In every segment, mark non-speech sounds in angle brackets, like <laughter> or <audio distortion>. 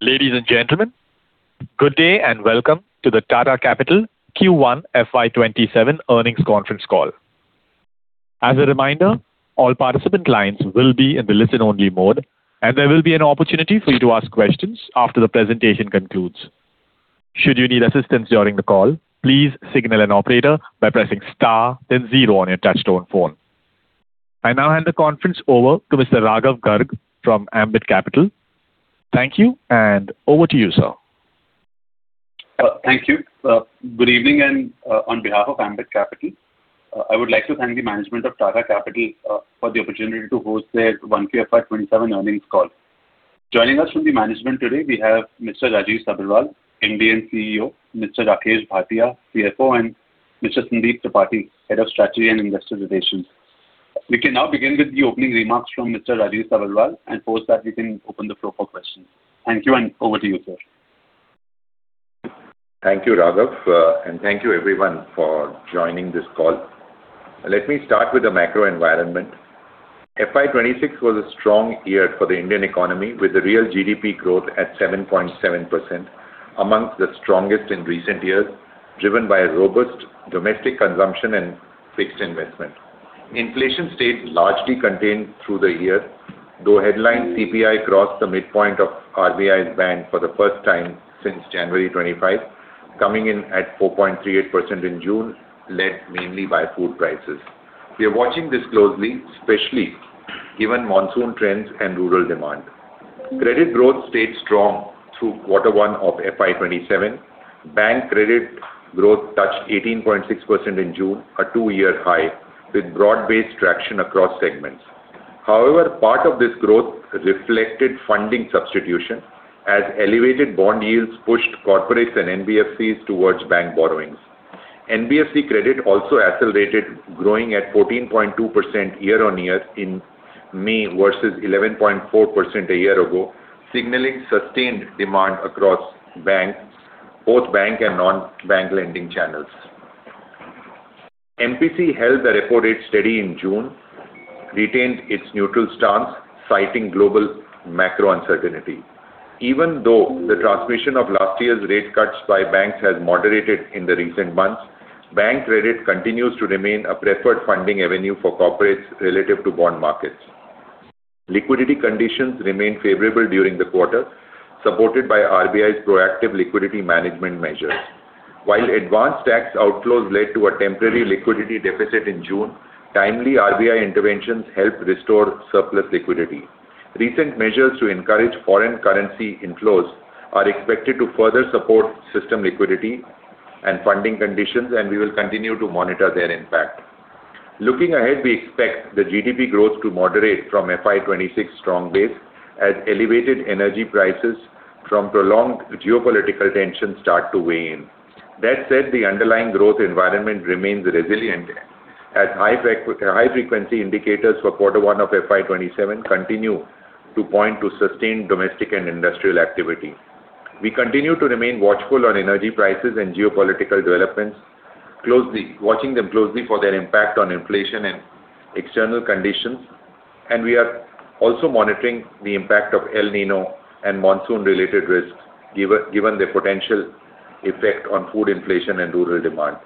Ladies and gentlemen, good day and welcome to the Tata Capital Q1 FY 2027 earnings conference call. As a reminder, all participant lines will be in the listen-only mode and there will be an opportunity for you to ask questions after the presentation concludes. Should you need assistance during the call, please signal an operator by pressing star then zero on your touch-tone phone. I now hand the conference over to Mr. Raghav Garg from Ambit Capital. Thank you and over to you, sir. Thank you. Good evening, and on behalf of Ambit Capital, I would like to thank the management of Tata Capital for the opportunity to host their 1Q FY 2027 earnings call. Joining us from the management today, we have Mr. Rajiv Sabharwal, MD and CEO, Mr. Rakesh Bhatia, CFO, and Mr. Sandeep Tripathy, Head of Strategy and Investor Relations. We can now begin with the opening remarks from Mr. Rajiv Sabharwal, post that, we can open the floor for questions. Thank you and over to you, sir. Thank you, Raghav, and thank you, everyone, for joining this call. Let me start with the macro environment. FY 2026 was a strong year for the Indian economy with the real GDP growth at 7.7%, amongst the strongest in recent years, driven by robust domestic consumption and fixed investment. Inflation stayed largely contained through the year, though headline CPI crossed the midpoint of RBI's band for the first time since January 2025, coming in at 4.38% in June, led mainly by food prices. We are watching this closely, especially given monsoon trends and rural demand. Credit growth stayed strong through quarter one of FY 2027. Bank credit growth touched 18.6% in June, a two-year high with broad-based traction across segments. However, part of this growth reflected funding substitution as elevated bond yields pushed corporates and NBFCs towards bank borrowings. NBFC credit also accelerated, growing at 14.2% year-on-year in May versus 11.4% a year ago, signaling sustained demand across both bank and non-bank lending channels. MPC held the repo rate steady in June, retained its neutral stance, citing global macro uncertainty. Even though the transmission of last year's rate cuts by banks has moderated in the recent months, bank credit continues to remain a preferred funding avenue for corporates relative to bond markets. Liquidity conditions remained favorable during the quarter, supported by RBI's proactive liquidity management measures. While advance tax outflows led to a temporary liquidity deficit in June, timely RBI interventions helped restore surplus liquidity. Recent measures to encourage foreign currency inflows are expected to further support system liquidity and funding conditions, and we will continue to monitor their impact. Looking ahead, we expect the GDP growth to moderate from FY 2026 strong base as elevated energy prices from prolonged geopolitical tensions start to weigh in. That said, the underlying growth environment remains resilient as high-frequency indicators for quarter one of FY 2027 continue to point to sustained domestic and industrial activity. We continue to remain watchful on energy prices and geopolitical developments, watching them closely for their impact on inflation and external conditions. We are also monitoring the impact of El Niño and monsoon-related risks, given their potential effect on food inflation and rural demand.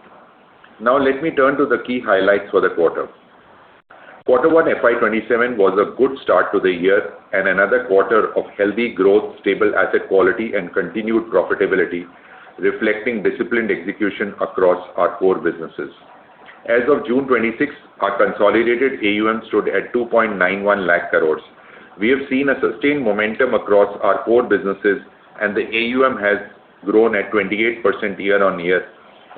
Now, let me turn to the key highlights for the quarter. Quarter one FY 2027 was a good start to the year and another quarter of healthy growth, stable asset quality and continued profitability, reflecting disciplined execution across our core businesses. As of June 2026, our consolidated AUM stood at 2.91 lakh crore. We have seen a sustained momentum across our core businesses and the AUM has grown at 28% year-on-year,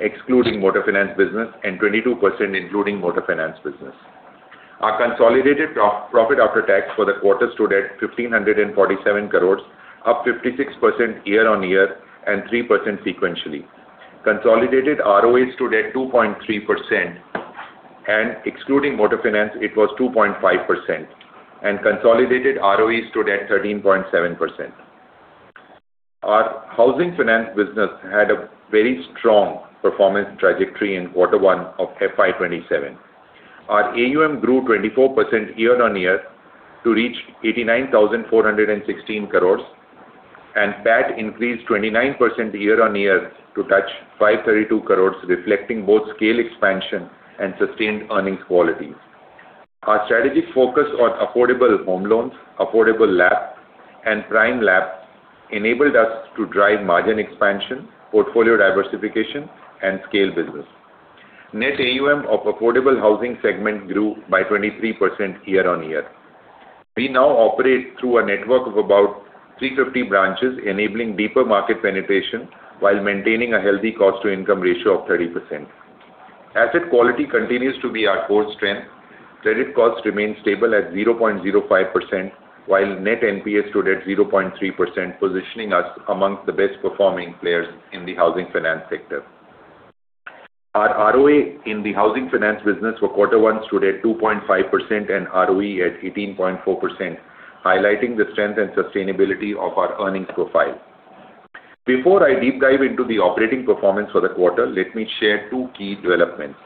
excluding Motors Finance business and 22% including Motors Finance business. Our consolidated profit after tax for the quarter stood at 1,547 crore, up 56% year-on-year and 3% sequentially. Consolidated ROA stood at 2.3% and excluding Motors Finance, it was 2.5% and consolidated ROE stood at 13.7%. Our Housing Finance business had a very strong performance trajectory in quarter one of FY 2027. Our AUM grew 24% year-on-year to reach 89,416 crore, and PAT increased 29% year-on-year to touch 532 crore, reflecting both scale expansion and sustained earnings quality. Our strategic focus on affordable home loans, affordable LAP and prime LAP enabled us to drive margin expansion, portfolio diversification, and scale business. Net AUM of affordable housing segment grew by 23% year-on-year. We now operate through a network of about 350 branches, enabling deeper market penetration while maintaining a healthy cost-to-income ratio of 30%. Asset quality continues to be our core strength. Credit costs remain stable at 0.05%, while net NPA stood at 0.3%, positioning us amongst the best performing players in the housing finance sector. Our ROA in the Housing Finance business for quarter one stood at 2.5% and ROE at 18.4%, highlighting the strength and sustainability of our earnings profile. Before I deep dive into the operating performance for the quarter, let me share two key developments.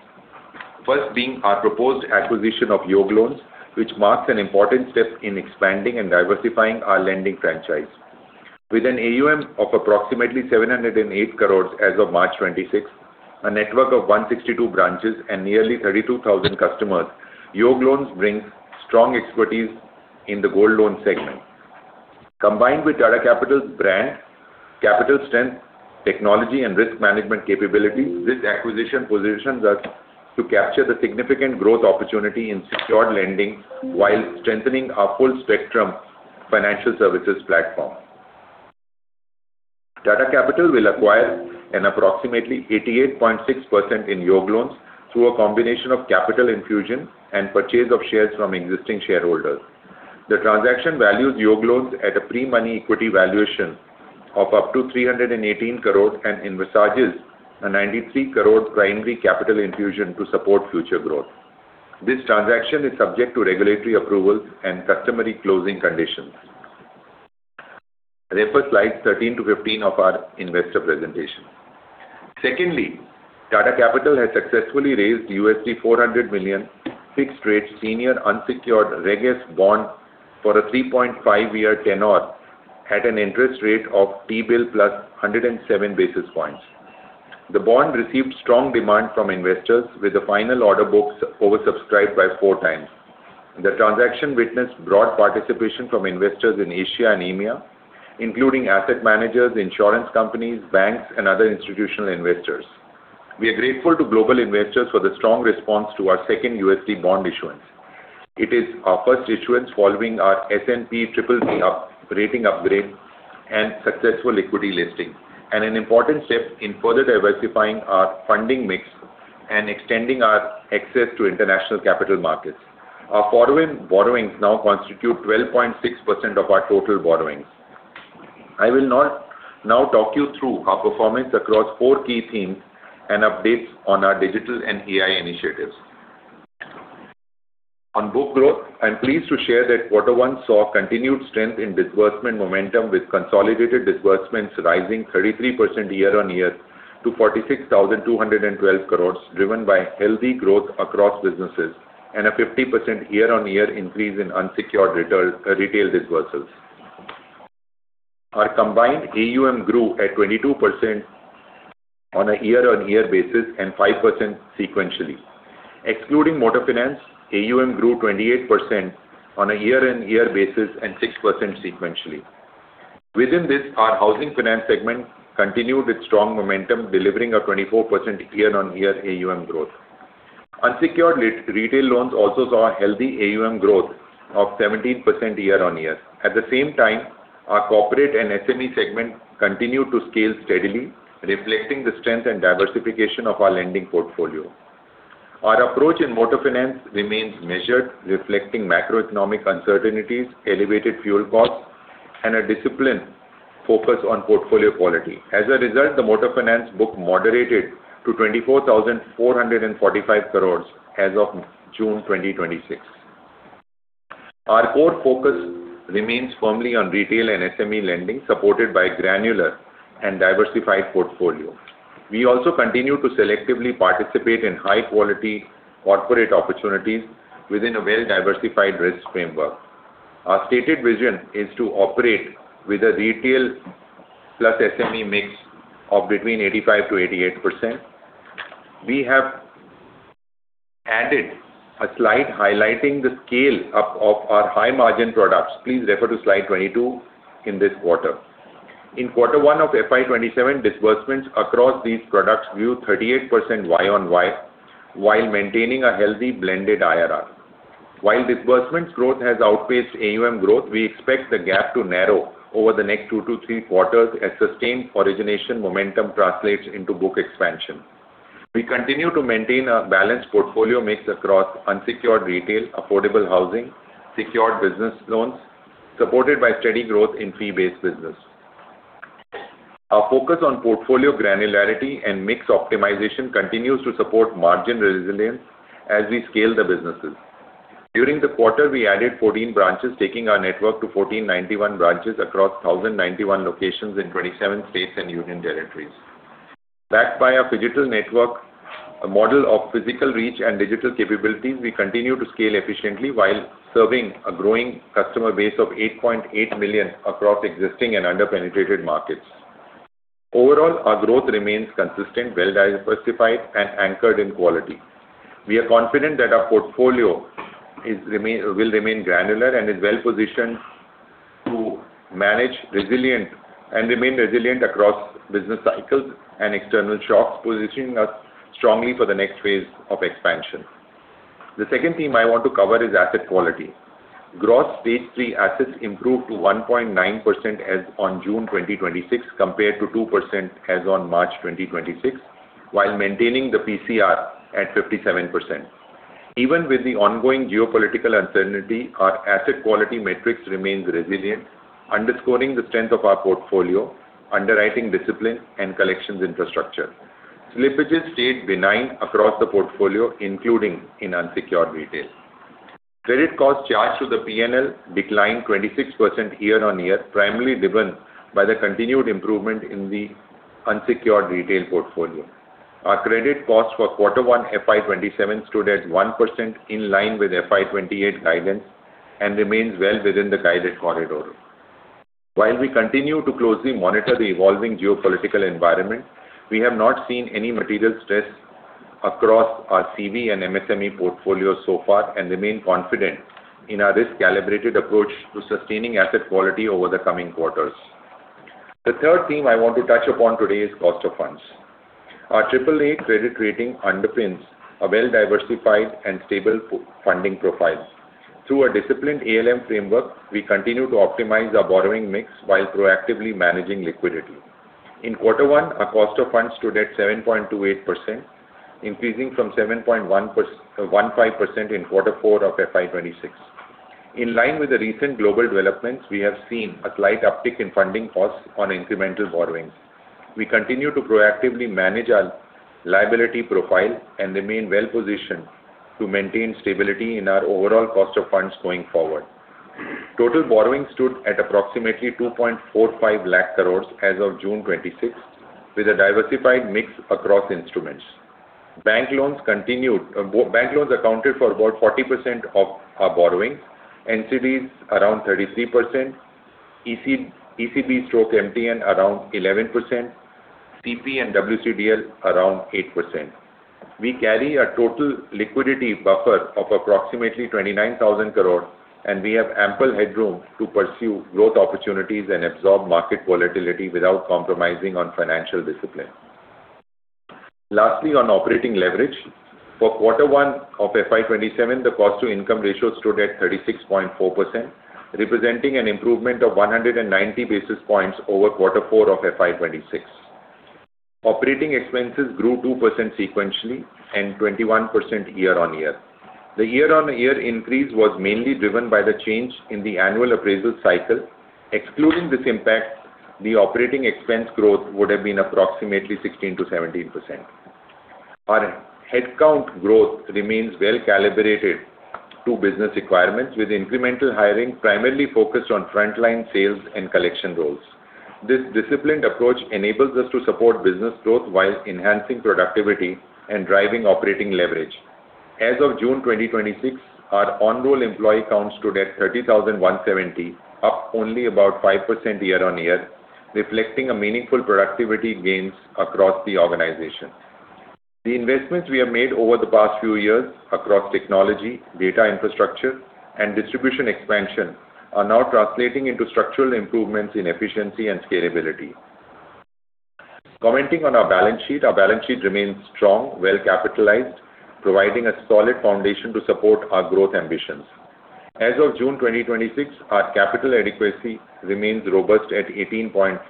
First being our proposed acquisition of Yogloans, which marks an important step in expanding and diversifying our lending franchise. With an AUM of approximately 708 crore as of March 2026, a network of 162 branches, and nearly 32,000 customers, Yogloans brings strong expertise in the gold loan segment. Combined with Tata Capital's brand, capital strength, technology, and risk management capabilities, this acquisition positions us to capture the significant growth opportunity in secured lending while strengthening our full-spectrum financial services platform. Tata Capital will acquire an approximately 88.6% in Yogloans through a combination of capital infusion and purchase of shares from existing shareholders. The transaction values Yogloans at a pre-money equity valuation of up to 318 crore and envisages a 93 crore primary capital infusion to support future growth. This transaction is subject to regulatory approvals and customary closing conditions. Refer slides 13-15 of our investor presentation. Secondly, Tata Capital has successfully raised $400 million fixed-rate senior unsecured Reg S Bond for a 3.5-year tenure at an interest rate of T-bill plus 107 basis points. The bond received strong demand from investors with the final order books oversubscribed by 4x. The transaction witnessed broad participation from investors in Asia and EMEA, including asset managers, insurance companies, banks, and other institutional investors. We are grateful to global investors for the strong response to our second USD bond issuance. It is our first issuance following our S&P BBB rating upgrade and successful equity listing and an important step in further diversifying our funding mix and extending our access to international capital markets. Our foreign borrowings now constitute 12.6% of our total borrowings. I will now talk you through our performance across four key themes and updates on our digital and AI initiatives. On book growth, I'm pleased to share that quarter one saw continued strength in disbursement momentum with consolidated disbursements rising 33% year-on-year to 46,212 crore, driven by healthy growth across businesses and a 50% year-on-year increase in unsecured retail disbursals. Our combined AUM grew at 22% on a year-on-year basis and 5% sequentially. Excluding Motors Finance, AUM grew 28% on a year-on-year basis and 6% sequentially. Within this, our Housing Finance segment continued with strong momentum, delivering a 24% year-on-year AUM growth. Unsecured retail loans also saw a healthy AUM growth of 17% year-on-year. At the same time, our corporate and SME segment continued to scale steadily, reflecting the strength and diversification of our lending portfolio. Our approach in Motors Finance remains measured, reflecting macroeconomic uncertainties, elevated fuel costs, and a disciplined focus on portfolio quality. As a result, the Motors Finance book moderated to 24,445 crore as of June 2026. Our core focus remains firmly on retail and SME lending, supported by granular and diversified portfolio. We also continue to selectively participate in high-quality corporate opportunities within a well-diversified risk framework. Our stated vision is to operate with a retail plus SME mix of between 85%-88%. We have added a slide highlighting the scale of our high-margin products. Please refer to slide 22 in this quarter. In quarter one of FY 2027, disbursements across these products grew 38% y-on-y while maintaining a healthy blended IRR. While disbursements growth has outpaced AUM growth, we expect the gap to narrow over the next two to three quarters as sustained origination momentum translates into book expansion. We continue to maintain a balanced portfolio mix across unsecured retail, affordable housing, secured business loans, supported by steady growth in fee-based business. Our focus on portfolio granularity and mix optimization continues to support margin resilience as we scale the businesses. During the quarter, we added 14 branches, taking our network to 1,491 branches across 1,091 locations in 27 states and union territories. Backed by a phygital network model of physical reach and digital capabilities, we continue to scale efficiently while serving a growing customer base of 8.8 million across existing and underpenetrated markets. Overall, our growth remains consistent, well-diversified, and anchored in quality. We are confident that our portfolio will remain granular and is well-positioned to manage resilient and remain resilient across business cycles and external shocks, positioning us strongly for the next phase of expansion. The second theme I want to cover is asset quality. Gross stage 3 assets improved to 1.9% as on June 2026 compared to 2% as on March 2026 while maintaining the PCR at 57%. Even with the ongoing geopolitical uncertainty, our asset quality metrics remains resilient, underscoring the strength of our portfolio, underwriting discipline and collections infrastructure. Slippages stayed benign across the portfolio, including in unsecured retail. Credit costs charged to the P&L declined 26% year-on-year, primarily driven by the continued improvement in the unsecured retail portfolio. Our credit cost for quarter one FY 2027 stood at 1%, in line with FY 2028 guidance and remains well within the guided corridor. While we continue to closely monitor the evolving geopolitical environment, we have not seen any material stress across our CV and MSME portfolio so far and remain confident in our risk-calibrated approach to sustaining asset quality over the coming quarters. The third theme I want to touch upon today is cost of funds. Our AAA credit rating underpins a well-diversified and stable funding profile. Through a disciplined ALM framework, we continue to optimize our borrowing mix while proactively managing liquidity. In quarter one, our cost of funds stood at 7.28%, increasing from 7.15% in quarter four of FY 2026. In line with the recent global developments, we have seen a slight uptick in funding costs on incremental borrowings. We continue to proactively manage our liability profile and remain well-positioned to maintain stability in our overall cost of funds going forward. Total borrowings stood at approximately 2.45 lakh crore as of June 2026, with a diversified mix across instruments. Bank loans accounted for about 40% of our borrowings, NCDs around 33%, ECB/MTN around 11%, CP and WCDL around 8%. We carry a total liquidity buffer of approximately 29,000 crore, and we have ample headroom to pursue growth opportunities and absorb market volatility without compromising on financial discipline. Lastly, on operating leverage. For quarter one of FY 2027, the cost-to-income ratio stood at 36.4%, representing an improvement of 190 basis points over quarter four of FY 2026. Operating expenses grew 2% sequentially and 21% year-on-year. The year-on-year increase was mainly driven by the change in the annual appraisal cycle. Excluding this impact, the operating expense growth would have been approximately 16%-17%. Our headcount growth remains well-calibrated to business requirements, with incremental hiring primarily focused on frontline sales and collection roles. This disciplined approach enables us to support business growth while enhancing productivity and driving operating leverage. As of June 2026, our on-roll employee count stood at 30,170, up only about 5% year-on-year, reflecting a meaningful productivity gains across the organization. The investments we have made over the past few years across technology, data infrastructure, and distribution expansion are now translating into structural improvements in efficiency and scalability. Commenting on our balance sheet, our balance sheet remains strong, well-capitalized, providing a solid foundation to support our growth ambitions. As of June 2026, our capital adequacy remains robust at 18.5%,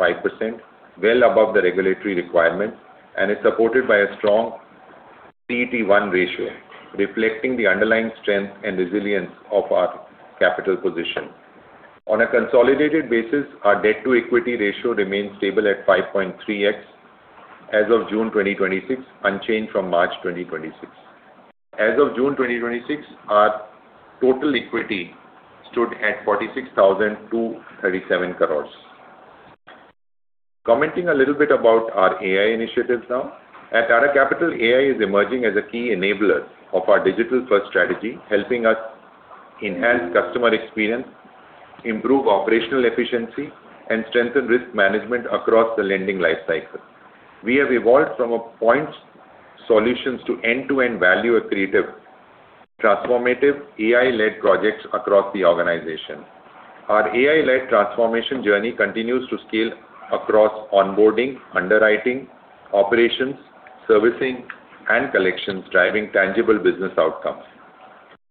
well above the regulatory requirements, and is supported by a strong CET1 ratio, reflecting the underlying strength and resilience of our capital position. On a consolidated basis, our debt-to-equity ratio remains stable at 5.3x as of June 2026, unchanged from March 2026. As of June 2026, our total equity stood at 46,237 crore. Commenting a little bit about our AI initiatives now. At Tata Capital, AI is emerging as a key enabler of our digital-first strategy, helping us enhance customer experience, improve operational efficiency, and strengthen risk management across the lending life cycle. We have evolved from a points solutions to end-to-end, value-accretive, transformative AI-led projects across the organization. Our AI-led transformation journey continues to scale across onboarding, underwriting, operations, servicing, and collections, driving tangible business outcomes.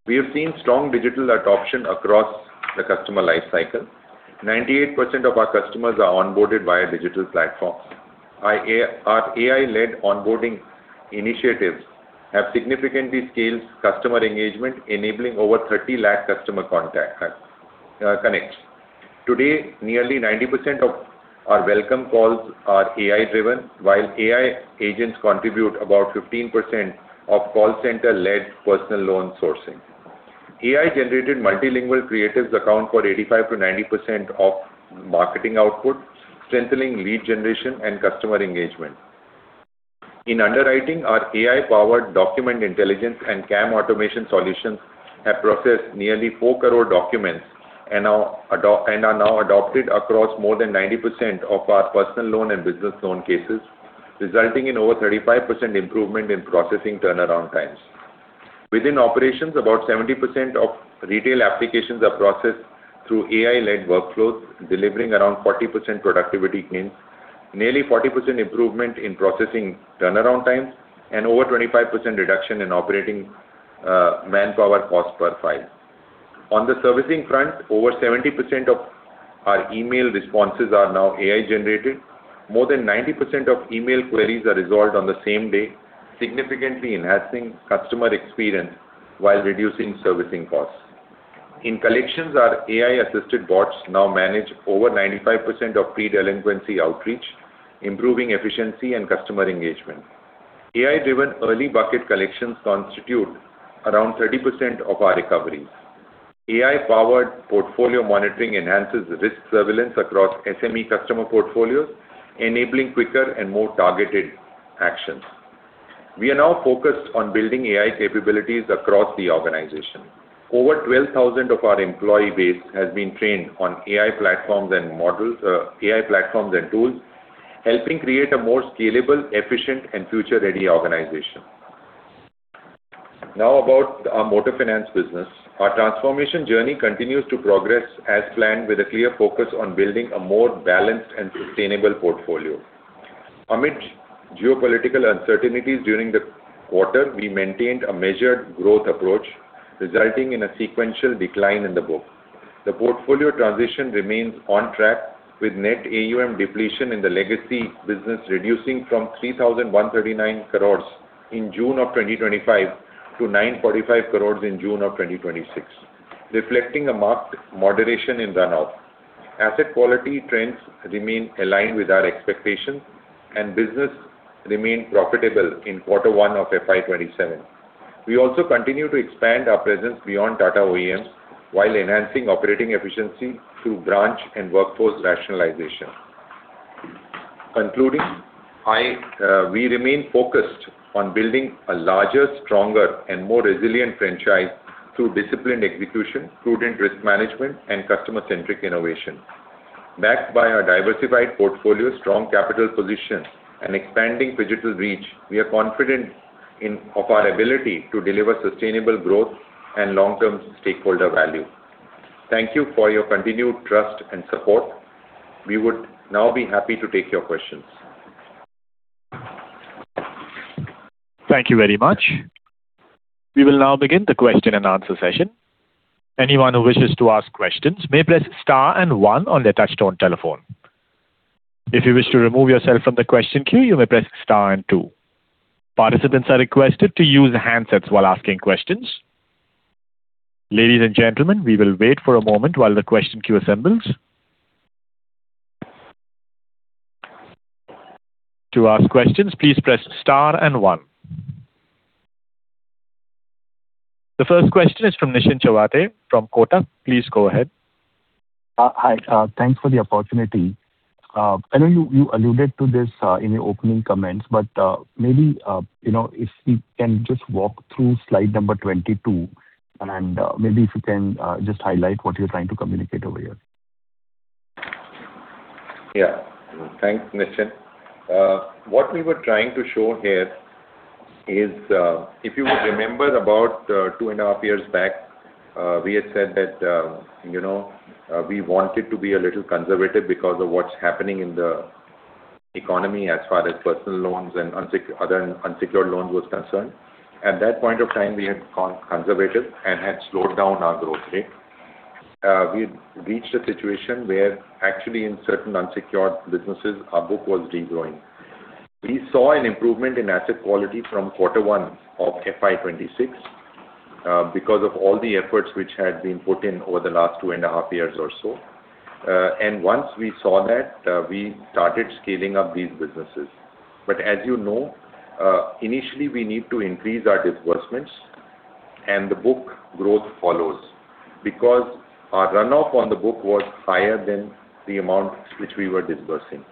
We have seen strong digital adoption across the customer life cycle. 98% of our customers are onboarded via digital platforms. Our AI-led onboarding initiatives have significantly scaled customer engagement, enabling over 30 lakh customer connects. Today, nearly 90% of our welcome calls are AI-driven, while AI agents contribute about 15% of call center-led personal loan sourcing. AI-generated multilingual creatives account for 85%-90% of marketing output, strengthening lead generation and customer engagement. In underwriting, our AI-powered document intelligence and CAM automation solutions have processed nearly 4 crore documents and are now adopted across more than 90% of our personal loan and business loan cases, resulting in over 35% improvement in processing turnaround times. Within operations, about 70% of retail applications are processed through AI-led workflows, delivering around 40% productivity gains, nearly 40% improvement in processing turnaround times, and over 25% reduction in operating manpower cost per file. On the servicing front, over 70% of our email responses are now AI-generated. More than 90% of email queries are resolved on the same day, significantly enhancing customer experience while reducing servicing costs. In collections, our AI-assisted bots now manage over 95% of pre-delinquency outreach, improving efficiency and customer engagement. AI-driven early bucket collections constitute around 30% of our recoveries. AI-powered portfolio monitoring enhances risk surveillance across SME customer portfolios, enabling quicker and more targeted actions. We are now focused on building AI capabilities across the organization. Over 12,000 of our employee base has been trained on AI platforms and tools, helping create a more scalable, efficient, and future-ready organization. Now, about our Motors Finance business. Our transformation journey continues to progress as planned, with a clear focus on building a more balanced and sustainable portfolio. Amid geopolitical uncertainties during the quarter, we maintained a measured growth approach, resulting in a sequential decline in the book. The portfolio transition remains on track with net AUM depletion in the legacy business reducing from 3,139 crore in June of 2025 to 945 crore in June of 2026, reflecting a marked moderation in run-off. Asset quality trends remain aligned with our expectations, and business remained profitable in quarter one of FY 2027. We also continue to expand our presence beyond Tata OEMs while enhancing operating efficiency through branch and workforce rationalization. Concluding, we remain focused on building a larger, stronger, and more resilient franchise through disciplined execution, prudent risk management, and customer-centric innovation. Backed by our diversified portfolio, strong capital position, and expanding digital reach, we are confident of our ability to deliver sustainable growth and long-term stakeholder value. Thank you for your continued trust and support. We would now be happy to take your questions. Thank you very much. We will now begin the question-and-answer session. Anyone who wishes to ask questions may press star and one on their touch-tone telephone. If you wish to remove yourself from the question queue, you may press star and two. Participants are requested to use handsets while asking questions. Ladies and gentlemen, we will wait for a moment while the question queue assembles. To ask questions, please press star and one. The first question is from Nischint Chawathe from Kotak. Please go ahead. Hi. Thanks for the opportunity. I know you alluded to this in your opening comments, but maybe, if we can just walk through slide number 22 and maybe, if you can just highlight what you're trying to communicate over here. Yeah. Thanks, Nischint. What we were trying to show here is, if you would remember about two and a half years back, we had said that we wanted to be a little conservative because of what's happening in the economy as far as personal loans and other unsecured loans was concerned. At that point of time, we had gone conservative and had slowed down our growth rate. We reached a situation where, actually, in certain unsecured businesses, our book was regrowing. We saw an improvement in asset quality from quarter one of FY 2026 because of all the efforts which had been put in over the last two and a half years or so. Once we saw that, we started scaling up these businesses. As you know, initially, we need to increase our disbursements and the book growth follows because our run-off on the book was higher than the amount which we were disbursing.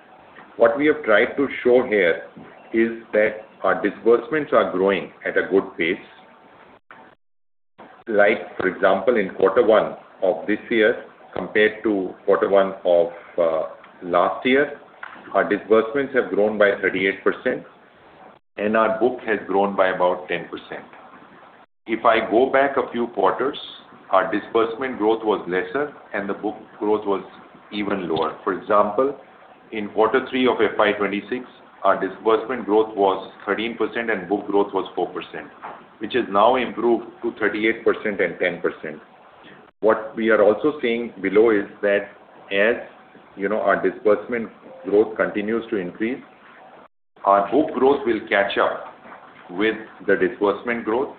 What we have tried to show here is that our disbursements are growing at a good pace. For example, in quarter one of this year compared to quarter one of last year, our disbursements have grown by 38% and our book has grown by about 10%. If I go back a few quarters, our disbursement growth was lesser and the book growth was even lower. For example, in quarter three of FY 2026, our disbursement growth was 13% and book growth was 4%, which has now improved to 38% and 10%. What we are also seeing below is that as our disbursement growth continues to increase, our book growth will catch up with the disbursement growth,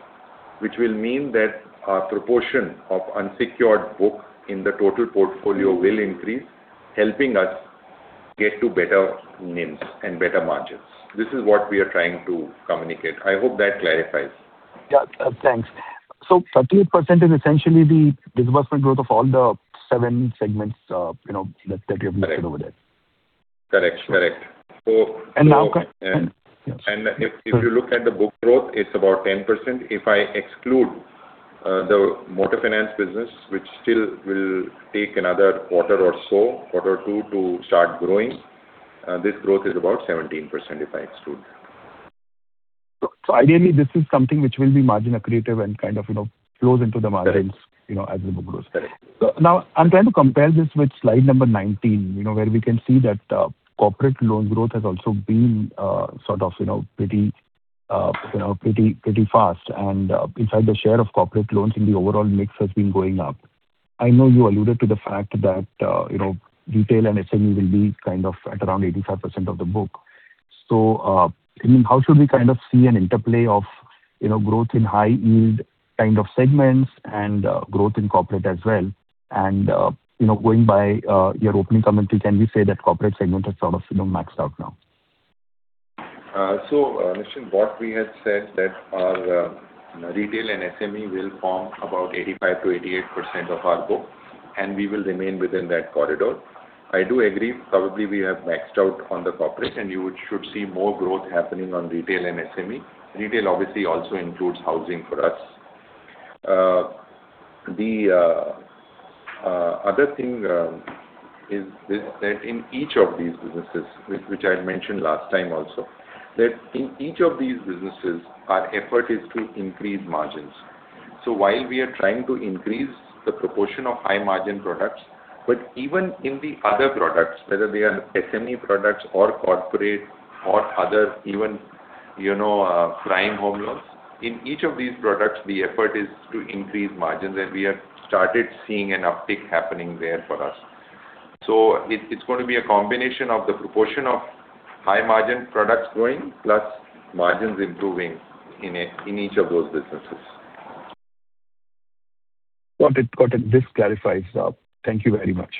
which will mean that our proportion of unsecured book in the total portfolio will increase, helping us get to better NIMs and better margins. This is what we are trying to communicate. I hope that clarifies. Yeah. Thanks. 38% is essentially the disbursement growth of all the seven segments that you have mentioned over there. Correct. If you look at the book growth, it's about 10%. If I exclude the Motors Finance business, which still will take another quarter or so, quarter two to start growing, this growth is about 17%, if I exclude that. Ideally, this is something which will be margin accretive and kind of flows into the margins. Correct. As the book grows. Correct. Now, I'm trying to compare this with slide number 19, where we can see that corporate loan growth has also been sort of pretty fast and inside the share of corporate loans in the overall mix has been going up. I know you alluded to the fact that retail and SME will be kind of at around 85% of the book. How should we kind of see an interplay of, you know, growth in high-yield kind of segments and growth in corporate as well? Going by your opening comments, can we say that corporate segment has sort of maxed out now? Nischint, what we had said that our retail and SME will form about 85%-88% of our book, and we will remain within that corridor. I do agree, probably, we have maxed out on the corporate and you should see more growth happening on retail and SME. Retail, obviously, also includes housing for us. The other thing is that in each of these businesses, which I had mentioned last time also, that in each of these businesses, our effort is to increase margins. While we are trying to increase the proportion of high-margin products, but even in the other products, whether they are SME products or corporate or other even prime home loans, in each of these products, the effort is to increase margins and we have started seeing an uptick happening there for us. It's going to be a combination of the proportion of high-margin products growing, plus margins improving in each of those businesses. Got it. This clarifies. Thank you very much.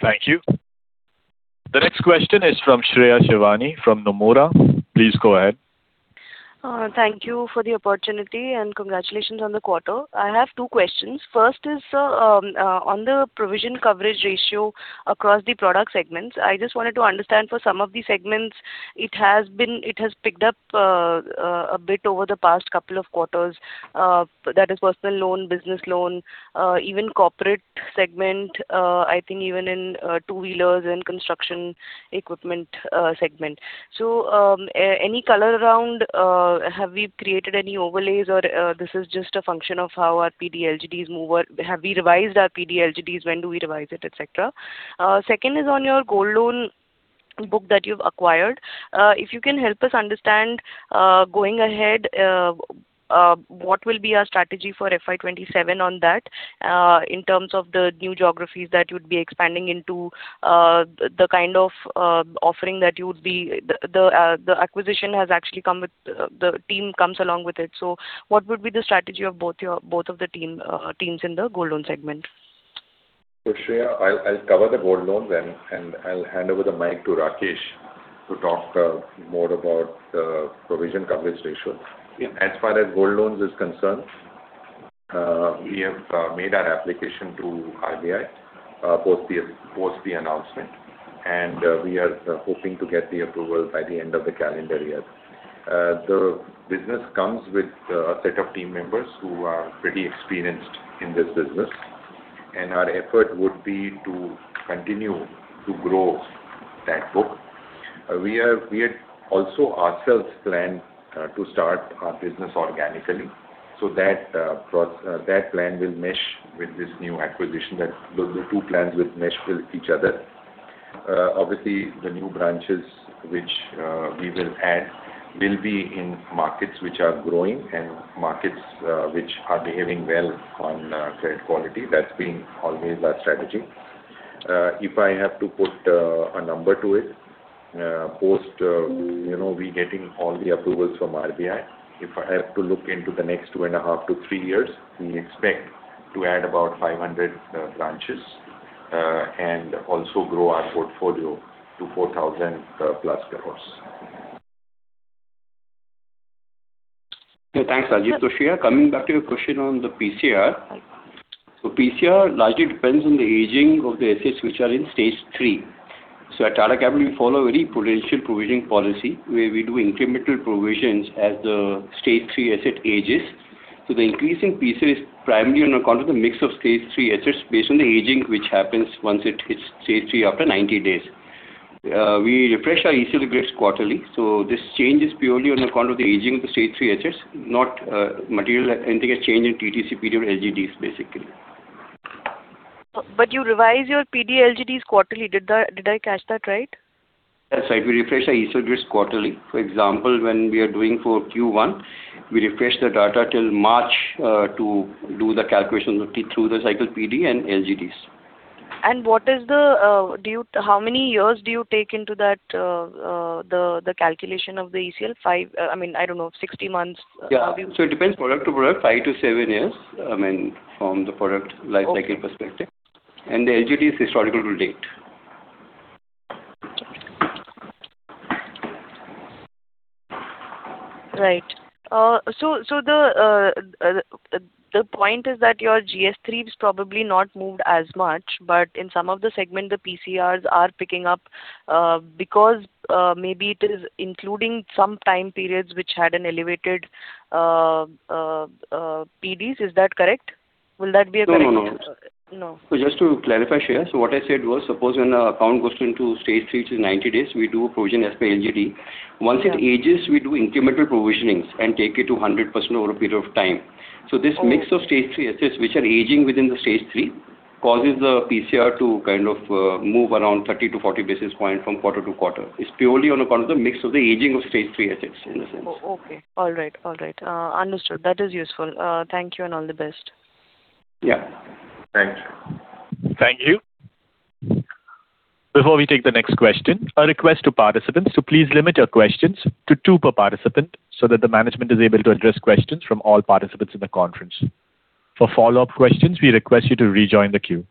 Thank you. The next question is from Shreya Shivani from Nomura. Please go ahead. Thank you for the opportunity and congratulations on the quarter. I have two questions. First is on the provision coverage ratio across the product segments. I just wanted to understand, for some of the segments, it has picked up a bit over the past couple of quarters, that is personal loan, business loan, even corporate segment, I think, even in two-wheelers and construction equipment segment. Any color around have we created any overlays or this is just a function of how our PD/LGDs move, or have we revised our PD/LGDs? When do we revise it, et cetera? Second is on your gold loan book that you've acquired. If you can help us understand, going ahead, what will be our strategy for FY 2027 on that in terms of the new geographies that you'd be expanding into, the kind of offering that you would be, the acquisition has actually come with the team comes along with it, so what would be the strategy of both of the teams in the gold loan segment? Shreya, I'll cover the gold loans then and I'll hand over the mic to Rakesh to talk more about the provision coverage ratio. As far as gold loans is concerned, we have made our application to RBI post the announcement and we are hoping to get the approval by the end of the calendar year. The business comes with a set of team members who are pretty experienced in this business and our effort would be to continue to grow that book. We had also ourselves planned to start our business organically so that plan will mesh with this new acquisition, that the two plans will mesh with each other. Obviously, the new branches which we will add will be in markets which are growing and markets which are behaving well on credit quality. That's been always our strategy. If I have to put a number to it, post we getting all the approvals from RBI, if I have to look into the next two and a half to three years, we expect to add about 500 branches and also grow our portfolio to 4,000+ crore. Thanks, Rajiv. Shreya, coming back to your question on the PCR. PCR largely depends on the aging of the assets which are in stage 3. At Tata Capital, we follow very prudential provisioning policy where we do incremental provisions as the stage 3 asset ages. The increase in PCR is primarily on account of the mix of stage 3 assets based on the aging which happens once it hits stage 3 after 90 days. We refresh our ECL grids quarterly, so this change is purely on account of the aging of the stage 3 assets, not material, anything has changed in TTC, PD, or LGDs basically. You revise your PD/LGDs quarterly, did I catch that right? That's right. We refresh our ECL grids quarterly. For example, when we are doing for Q1, we refresh the data till March to do the calculations through the cycle PD and LGDs. How many years do you take into the calculation of the ECL? I don't know, 60 months? Yeah. It depends product to product, five to seven years from the product life cycle perspective. Okay. The LGD is historical-to-date. Right. The point is that your GS3 has probably not moved as much, but in some of the segment, the PCRs are picking up because maybe it is including some time periods which had an elevated PDs. Is that correct? Will that be correct? No. No. Just to clarify, Shreya. What I said was, suppose when an account goes into stage 3, which is 90 days, we do a provision as per LGD. Yeah. Once it ages, we do incremental provisionings and take it to 100% over a period of time. This mix of stage 3 assets, which are aging within the stage 3, causes the PCR to kind of move around 30-40 basis points from quarter to quarter. It's purely on account of the mix of the aging of stage 3 assets in a sense. Okay. All right. Understood. That is useful. Thank you and all the best. Yeah. Thank you. Thank you. Before we take the next question, a request to participants to please limit your questions to two per participant so that the management is able to address questions from all participants in the conference. For follow-up questions, we request you to rejoin the queue.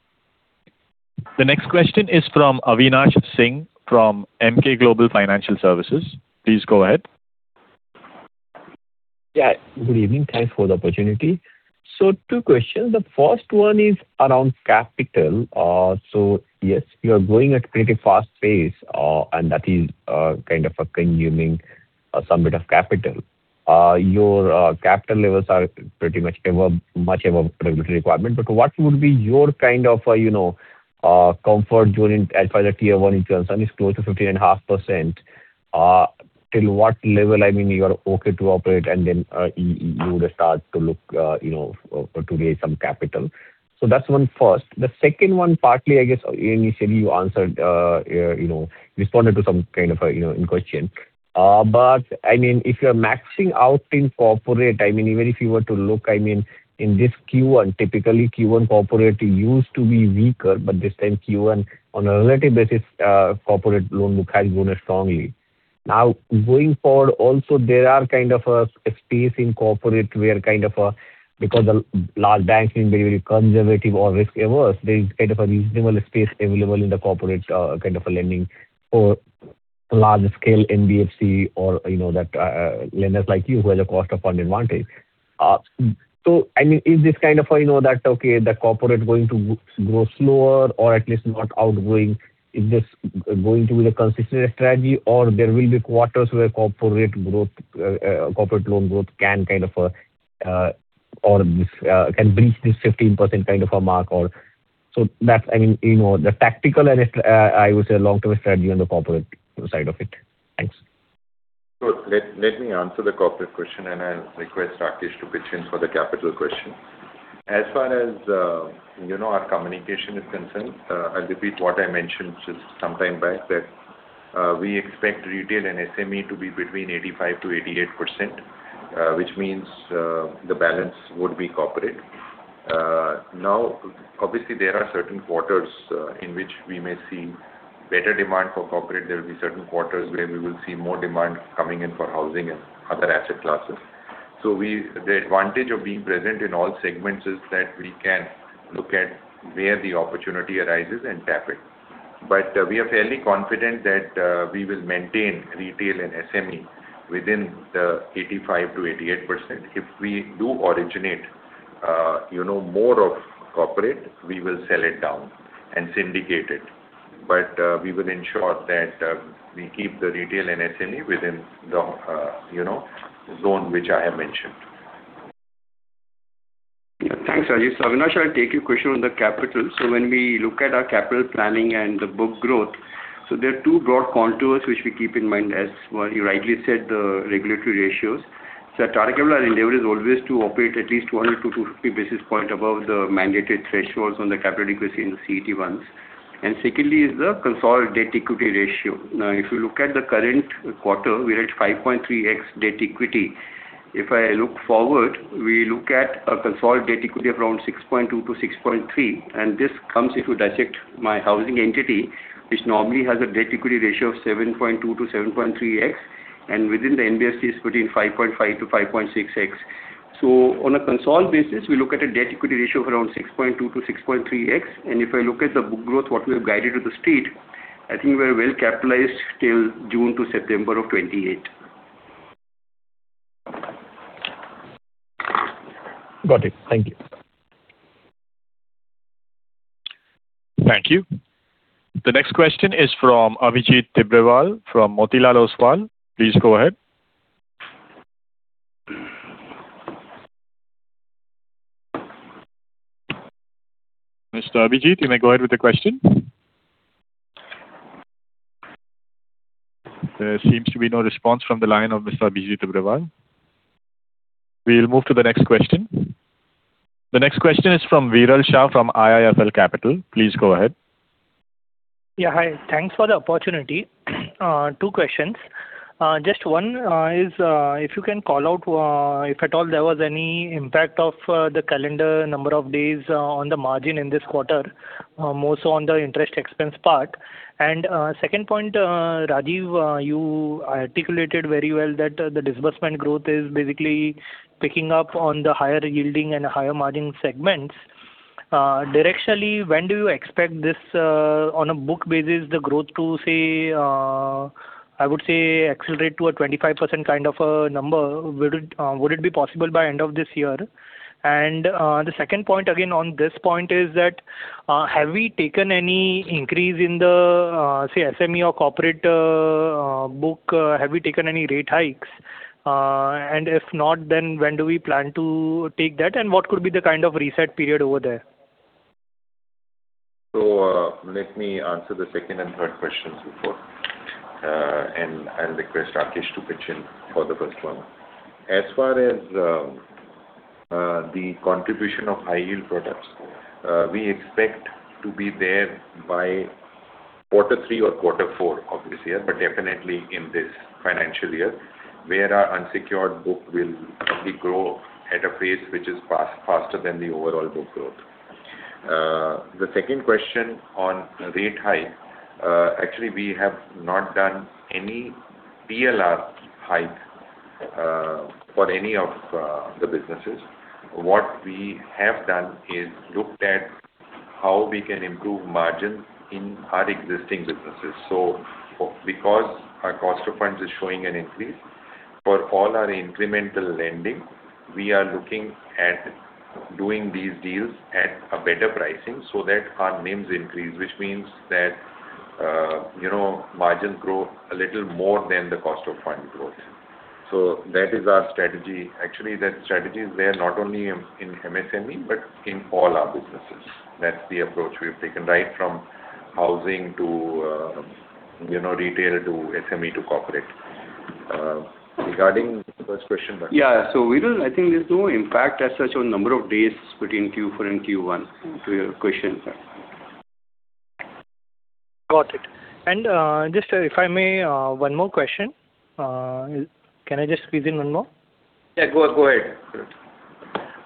The next question is from Avinash Singh from Emkay Global Financial Services. Please go ahead. Yeah. Good evening. Thanks for the opportunity. Two questions. The first one is around capital. Yes, you're growing at a pretty fast pace, and that is kind of consuming some bit of capital. Your capital levels are pretty much above regulatory requirement, but what would be your kind of comfort during, as far as tier one is concerned, is close to 15.5%? Till what level, I mean, you are okay to operate and then you would start to look to raise some capital? That's one first. The second one partly, I guess, initially, you answered, you know, you responded to some kind of a question, but, I mean, if you're maxing out in corporate, I mean, even if you were to look, I mean, in this Q1, typically, Q1 corporate used to be weaker, but this time, Q1, on a relative basis, corporate loan book has grown strongly. Now, going forward also, there are kind of a space in corporate where kind of, because the large banks being very conservative or risk-averse, there is kind of a reasonable space available in the corporate kind of a lending for large scale NBFC or lenders like you who have the cost of fund advantage. Is this kind of that okay, the corporate going to grow slower or at least not outgoing? Is this going to be the consistent strategy or there will be quarters where corporate loan growth can breach this 15% kind of a mark or so? That's the tactical and, I would say, long-term strategy on the corporate side of it? Thanks. Sure. Let me answer the corporate question and I will request Rakesh to pitch in for the capital question. As far as our communication is concerned, I will repeat what I mentioned just some time back that we expect retail and SME to be between 85%-88%, which means the balance would be corporate. Now, obviously, there are certain quarters in which we may see better demand for corporate. There will be certain quarters where we will see more demand coming in for housing and other asset classes. The advantage of being present in all segments is that we can look at where the opportunity arises and tap it. We are fairly confident that we will maintain retail and SME within the 85%-88%. If we do originate more of corporate, we will sell it down and syndicate it. We will ensure that we keep the retail and SME within the zone which I have mentioned. Thanks, Rajiv. Avinash, I will take your question on the capital. When we look at our capital planning and the book growth, there are two broad contours which we keep in mind as well. You rightly said the regulatory ratios. At Tata Capital, our endeavor is always to operate at least 200-250 basis points above the mandated thresholds on the capital adequacy in the CET1s. Secondly, is the consolidated equity ratio. Now, if you look at the current quarter, we are at 5.3x debt equity. If I look forward, we look at a consolidated equity of around 6.2x-6.3x, and this comes if you dissect my housing entity, which normally has a debt equity ratio of 7.2x-7.3x, and within the NBFCs between 5.5x-5.6x. On a consolidated basis, we look at a debt equity ratio of around 6.2x-6.3x. If I look at the book growth, what we have guided to the state, I think we are well-capitalized till June to September of 2028. Got it. Thank you. Thank you. The next question is from Abhijit Tibrewal from Motilal Oswal. Please go ahead. Mr. Abhijit, you may go ahead with the question. There seems to be no response from the line of Mr. Abhijit Tibrewal. We will move to the next question. The next question is from Viral Shah from IIFL Capital. Please go ahead. Yeah. Hi. Thanks for the opportunity. Two questions. Just one is, if you can call out, if at all, there was any impact of the calendar number of days on the margin in this quarter, more so on the interest expense part. Second point, Rajiv, you articulated very well that the disbursement growth is basically picking up on the higher-yielding and higher-margin segments. Directionally, when do you expect this, on a book basis, the growth to, I would say, accelerate to a 25% kind of a number? Would it be possible by end of this year? The second point again on this point is that have we taken any increase in the, say, SME or corporate book? Have we taken any rate hikes, and if not, then when do we plan to take that? What could be the kind of reset period over there? Let me answer the second and third questions before, and I will request Rakesh to pitch in for the first one. As far as the contribution of high-yield products, we expect to be there by quarter three or quarter four of this year, but definitely in this financial year, where our unsecured book will probably grow at a pace which is faster than the overall book growth. The second question on rate hike. Actually, we have not done any PLR hike for any of the businesses. What we have done is looked at how we can improve margins in our existing businesses. Because our cost of funds is showing an increase, for all our incremental lending, we are looking at doing these deals at a better pricing so that our NIMs increase, which means that margins grow a little more than the cost of fund growth. That is our strategy. Actually, that strategy is there not only in MSME but in all our businesses. That's the approach we've taken, right from housing to retailer to SME to corporate. Regarding the first question. Yeah. Viral, I think there's no impact as such on number of days between Q4 and Q1 to your question, sir. Got it. Just if I may, one more question. Can I just squeeze in one more? Yeah. Go ahead.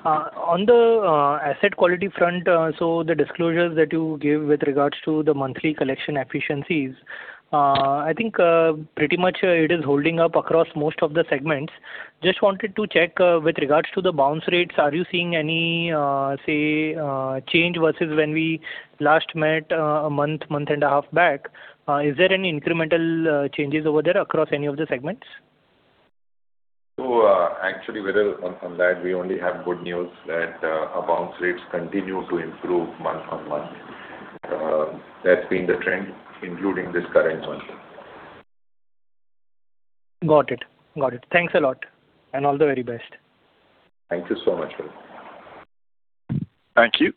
On the asset quality front, so the disclosures that you gave with regards to the monthly collection efficiencies, I think, pretty much, it is holding up across most of the segments. Just wanted to check with regards to the bounce rates, are you seeing any change versus when we last met a month, month and a half back? Is there any incremental changes over there across any of the segments? Actually, Viral, on that, we only have good news that our bounce rates continue to improve month on month. That's been the trend, including this current month. Got it. Thanks a lot and all the very best. Thank you so much, Viral. Thank you.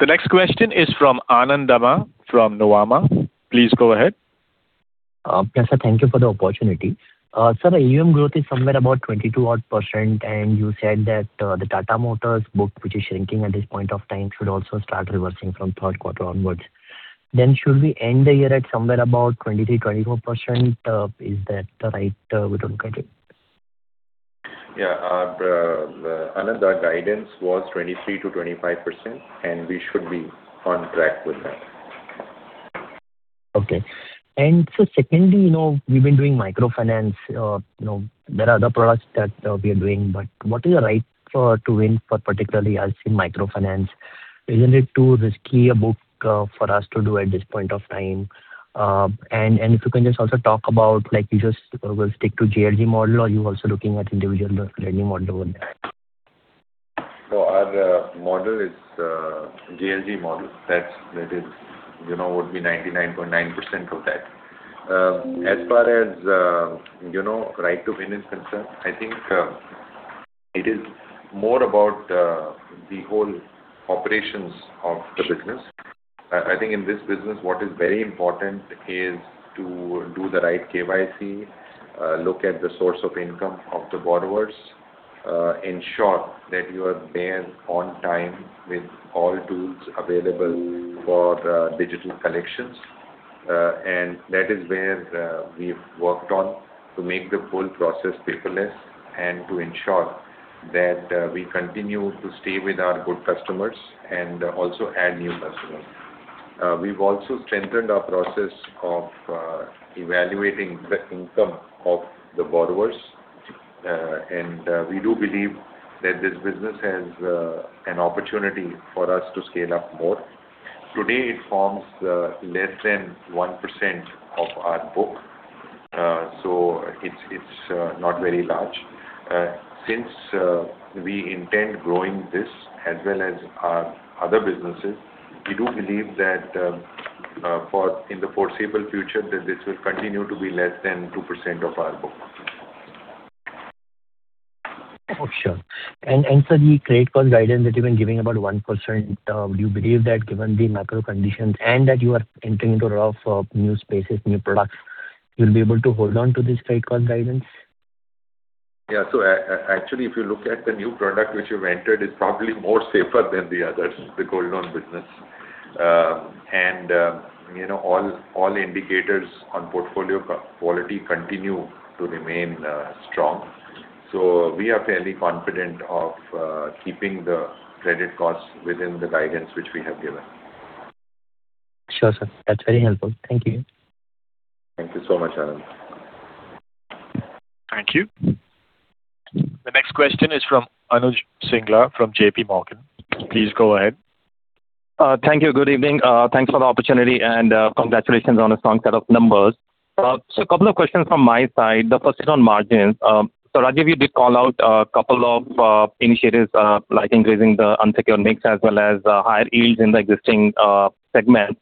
The next question is from Anand Dama from Nuvama. Please go ahead. Yes. Thank you for the opportunity. Sir, AUM growth is somewhere about 22%-odd, and you said that the Tata Motors book, which is shrinking at this point of time, should also start reversing from third quarter onwards. Should we end the year at somewhere about 23%-24%? Is that the right way to look at it? Yeah. Anand, our guidance was 23%-25%, and we should be on track with that. Okay. Secondly, we've been doing microfinance. There are other products that we are doing, but what is the right to win for, particularly, as in microfinance? Isn't it too risky a book for us to do at this point of time? If you can just also talk about, like, you just will stick to JLG model or you're also looking at individual lending model with that? Our model is JLG model. That would be 99.9% of that. As far as right to win is concerned, I think it is more about the whole operations of the business. I think, in this business, what is very important is to do the right KYC, look at the source of income of the borrowers, ensure that you are there on time with all tools available for digital collections. That is where we've worked on to make the whole process paperless and to ensure that we continue to stay with our good customers and also add new customers. We've also strengthened our process of evaluating the income of the borrowers. We do believe that this business has an opportunity for us to scale up more. Today, it forms less than 1% of our book, so it's not very large. Since we intend growing this as well as our other businesses, we do believe that in the foreseeable future that this will continue to be less than 2% of our book. Sure. For the credit cost guidance that you've been giving about 1%, do you believe that given the macro conditions and that you are entering into a lot of new spaces, new products, you'll be able to hold on to this credit cost guidance? Actually, if you look at the new product which we've entered, it's probably more safer than the others, the gold loan business. All indicators on portfolio quality continue to remain strong, so we are fairly confident of keeping the credit costs within the guidance which we have given. Sure, sir. That's very helpful. Thank you. Thank you so much, Anand. Thank you. The next question is from Anuj Singla from JPMorgan. Please go ahead. Thank you. Good evening. Thanks for the opportunity and congratulations on a strong set of numbers. Couple of questions from my side. The first is on margins. Rajiv, you did call out a couple of initiatives, like increasing the unsecured mix as well as higher yields in the existing segments.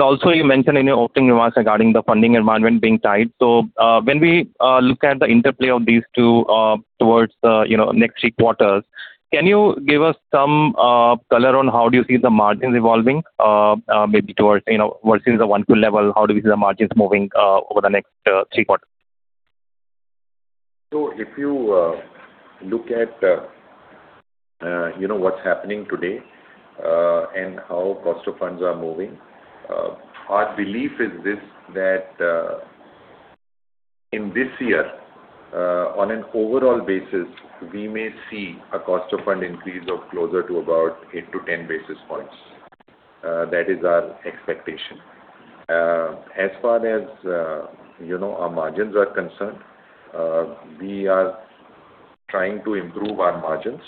Also, you mentioned in your opening remarks regarding the funding environment being tight. When we look at the interplay of these two towards the next three quarters, can you give us some color on how do you see the margins evolving maybe towards, you know, versus the 1Q level? How do you see the margins moving over the next three quarters? If you look at, you know, what's happening today and how cost of funds are moving, our belief is this, that in this year, on an overall basis, we may see a cost of fund increase of closer to about 8-10 basis points. That is our expectation. As far as our margins are concerned, we are trying to improve our margins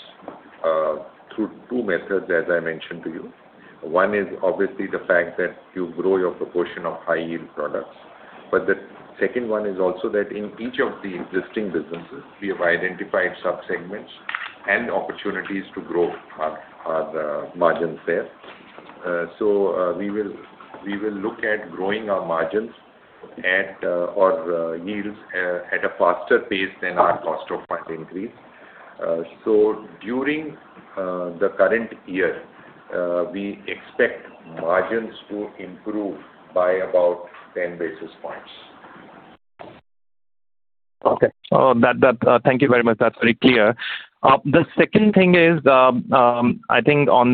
through two methods, as I mentioned to you. One is obviously the fact that you grow your proportion of high-yield products. The second one is also that in each of the existing businesses, we have identified sub-segments and opportunities to grow our margins there. We will look at growing our margins and our yields at a faster pace than our cost of fund increase. During the current year, we expect margins to improve by about 10 basis points. Okay. Thank you very much. That's very clear. The second thing is, I think on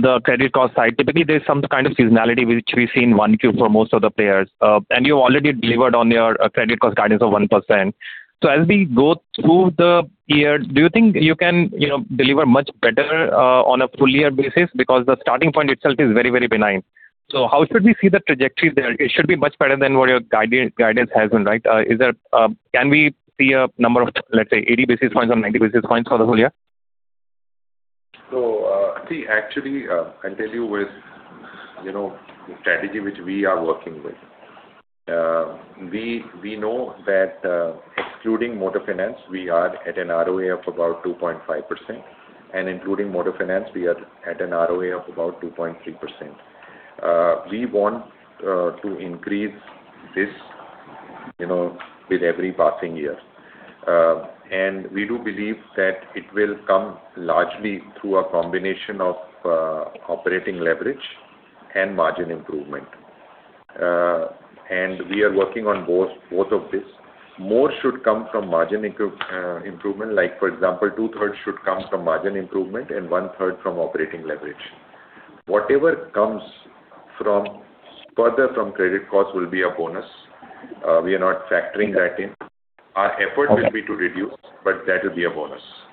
the credit cost side, typically, there's some kind of seasonality which we see in 1Q for most of the players. You already delivered on your credit cost guidance of 1%. As we go through the year, do you think you can deliver much better on a full-year basis? Because the starting point itself is very, very benign. How should we see the trajectory there? It should be much better than what your guidance has been, right? Can we see a number of, let's say, 80 basis points or 90 basis points for the whole year? See, actually, I'll tell you, with the strategy which we are working with, we know that excluding Motors Finance, we are at an ROA of about 2.5%, and including Motors Finance, we are at an ROA of about 2.3%. We want to increase this with every passing year. We do believe that it will come largely through a combination of operating leverage and margin improvement. We are working on both of these. More should come from margin improvement, like for example, 2/3 should come from margin improvement and 1/3 from operating leverage. Whatever comes further from credit cost will be a bonus. We are not factoring that in. Okay. Our effort will be to reduce, but that will be a bonus.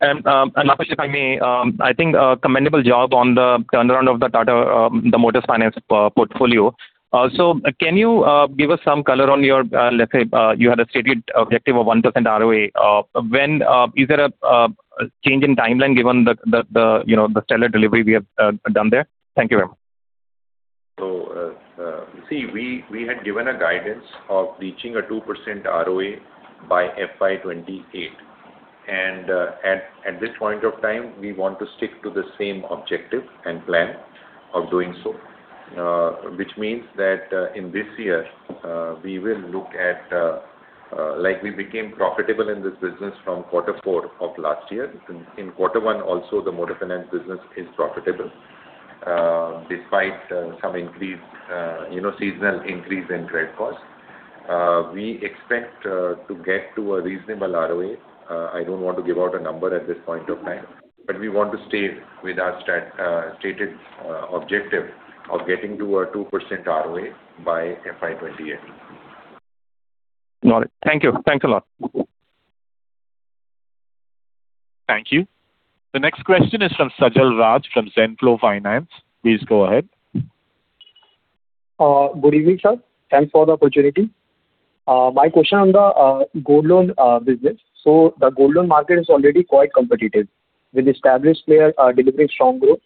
All right. Last question, if I may, I think commendable job on the turnaround of the Tata Motors Finance portfolio. Also, can you give us some color on your, let's say, you had a stated objective of 1% ROA. Is there a change in timeline given the stellar delivery we have done there? Thank you very much. See, we had given a guidance of reaching a 2% ROA by FY 2028. At this point of time, we want to stick to the same objective and plan of doing so, which means that in this year, we will look at, like we became profitable in this business from quarter four of last year. In quarter one also, the Motors Finance business is profitable, despite some seasonal increase in credit cost. We expect to get to a reasonable ROA. I don't want to give out a number at this point of time, but we want to stay with our stated objective of getting to a 2% ROA by FY 2028. Got it. Thank you. Thanks a lot. Thank you. The next question is from Sajal Raj from Zenflow Finance. Please go ahead. Good evening, sir. Thanks for the opportunity. My question on the gold loan business. The gold loan market is already quite competitive with established players delivering strong growth.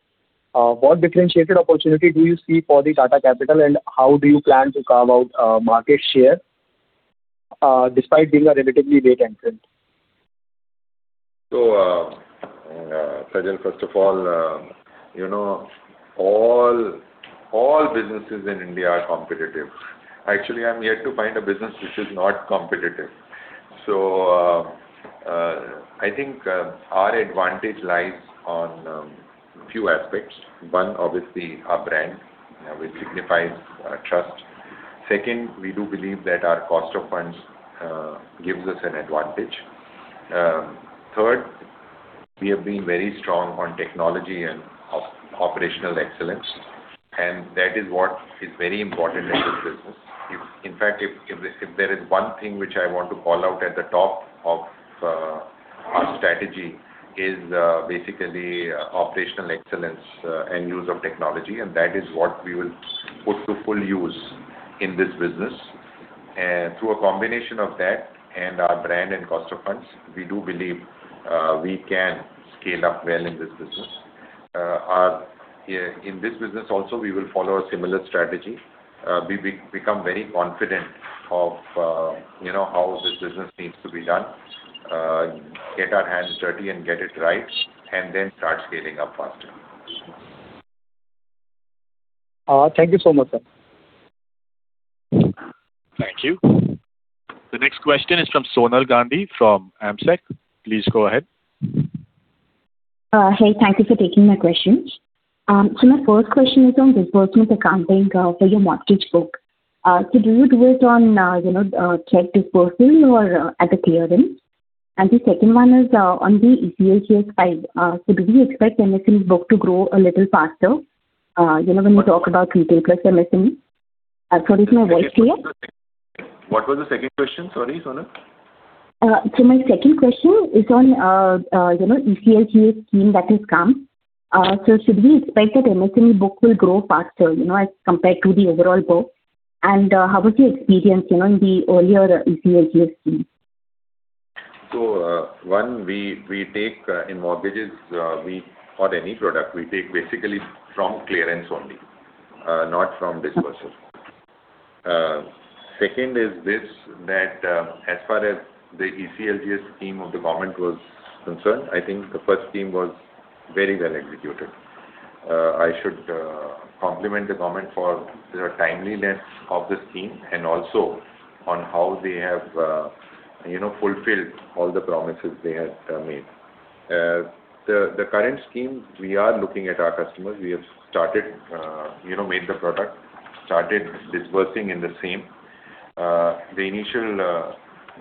What differentiated opportunity do you see for Tata Capital and how do you plan to carve out market share despite being a relatively late entrant? Sajal, first of all, all businesses in India are competitive. Actually, I'm yet to find a business which is not competitive. I think our advantage lies on a few aspects. One, obviously, our brand, which signifies trust. Second, we do believe that our cost of funds gives us an advantage. Third, we have been very strong on technology and operational excellence, and that is what is very important in this business. In fact, if there is one thing which I want to call out at the top of our strategy is basically operational excellence and use of technology, and that is what we will put to full use in this business. Through a combination of that and our brand and cost of funds, we do believe we can scale up well in this business. In this business also, we will follow a similar strategy. We become very confident of how this business needs to be done, get our hands dirty and get it right, and then start scaling up faster. Thank you so much, sir. Thank you. The next question is from Sonal Gandhi from AMSEC. Please go ahead. Hey, thank you for taking my question. My first question is on disbursement accounting for your mortgage book. Do you do it on check disbursal or at the clearance? The second one is on the ECLGS side. Do we expect MSME's book to grow a little faster when we talk about retail plus MSME? Sorry, is my voice clear? What was the second question? Sorry, Sonal. My second question is on ECLGS scheme that has come. Should we expect that MSME book will grow faster as compared to the overall book? How was your experience in the earlier ECLGS scheme? One, we take, in mortgages or any product, we take basically from clearance only, not from disbursement. Second is this, that as far as the ECLGS scheme of the government was concerned, I think the first scheme was very well-executed. I should compliment the government for their timeliness of the scheme and also on how they have fulfilled all the promises they had made. The current scheme, we are looking at our customers. We have made the product, started disbursing in the same. The initial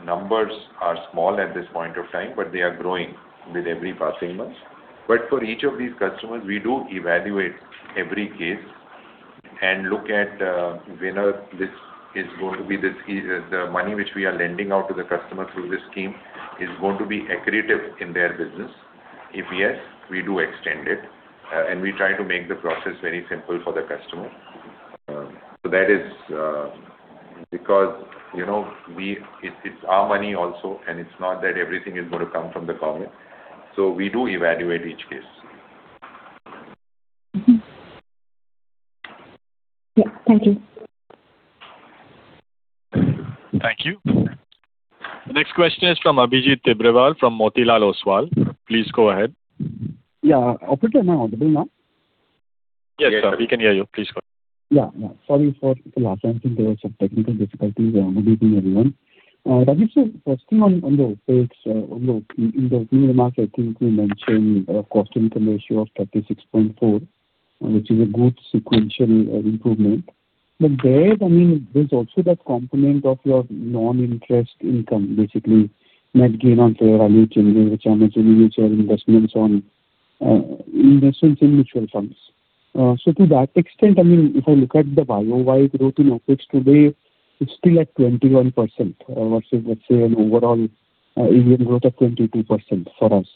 numbers are small at this point of time, but they are growing with every passing month. For each of these customers, we do evaluate every case and look at whether the money which we are lending out to the customer through this scheme is going to be accretive in their business. If yes, we do extend it, and we try to make the process very simple for the customer because it's our money also and it's not that everything is going to come from the government. We do evaluate each case. Thank you. Thank you. Next question is from Abhijit Tibrewal from Motilal Oswal. Please go ahead. Yeah. Operator, am I audible now? Yes, sir. We can hear you. Please go ahead. Yeah. Sorry for the last time. I think there was some technical difficulties. Good evening, everyone. Rajiv sir, first thing on the OpEx. In the opening remarks, I think you mentioned a cost-to-income ratio of 36.4%, which is a good sequential improvement. There's also that component of your non-interest income, basically net gain on fair value changes, which I'm assuming investments in mutual funds. To that extent, if I look at the YoY growth in OpEx today, it's still at 21% versus, let's say, an overall AUM growth of 22% for us.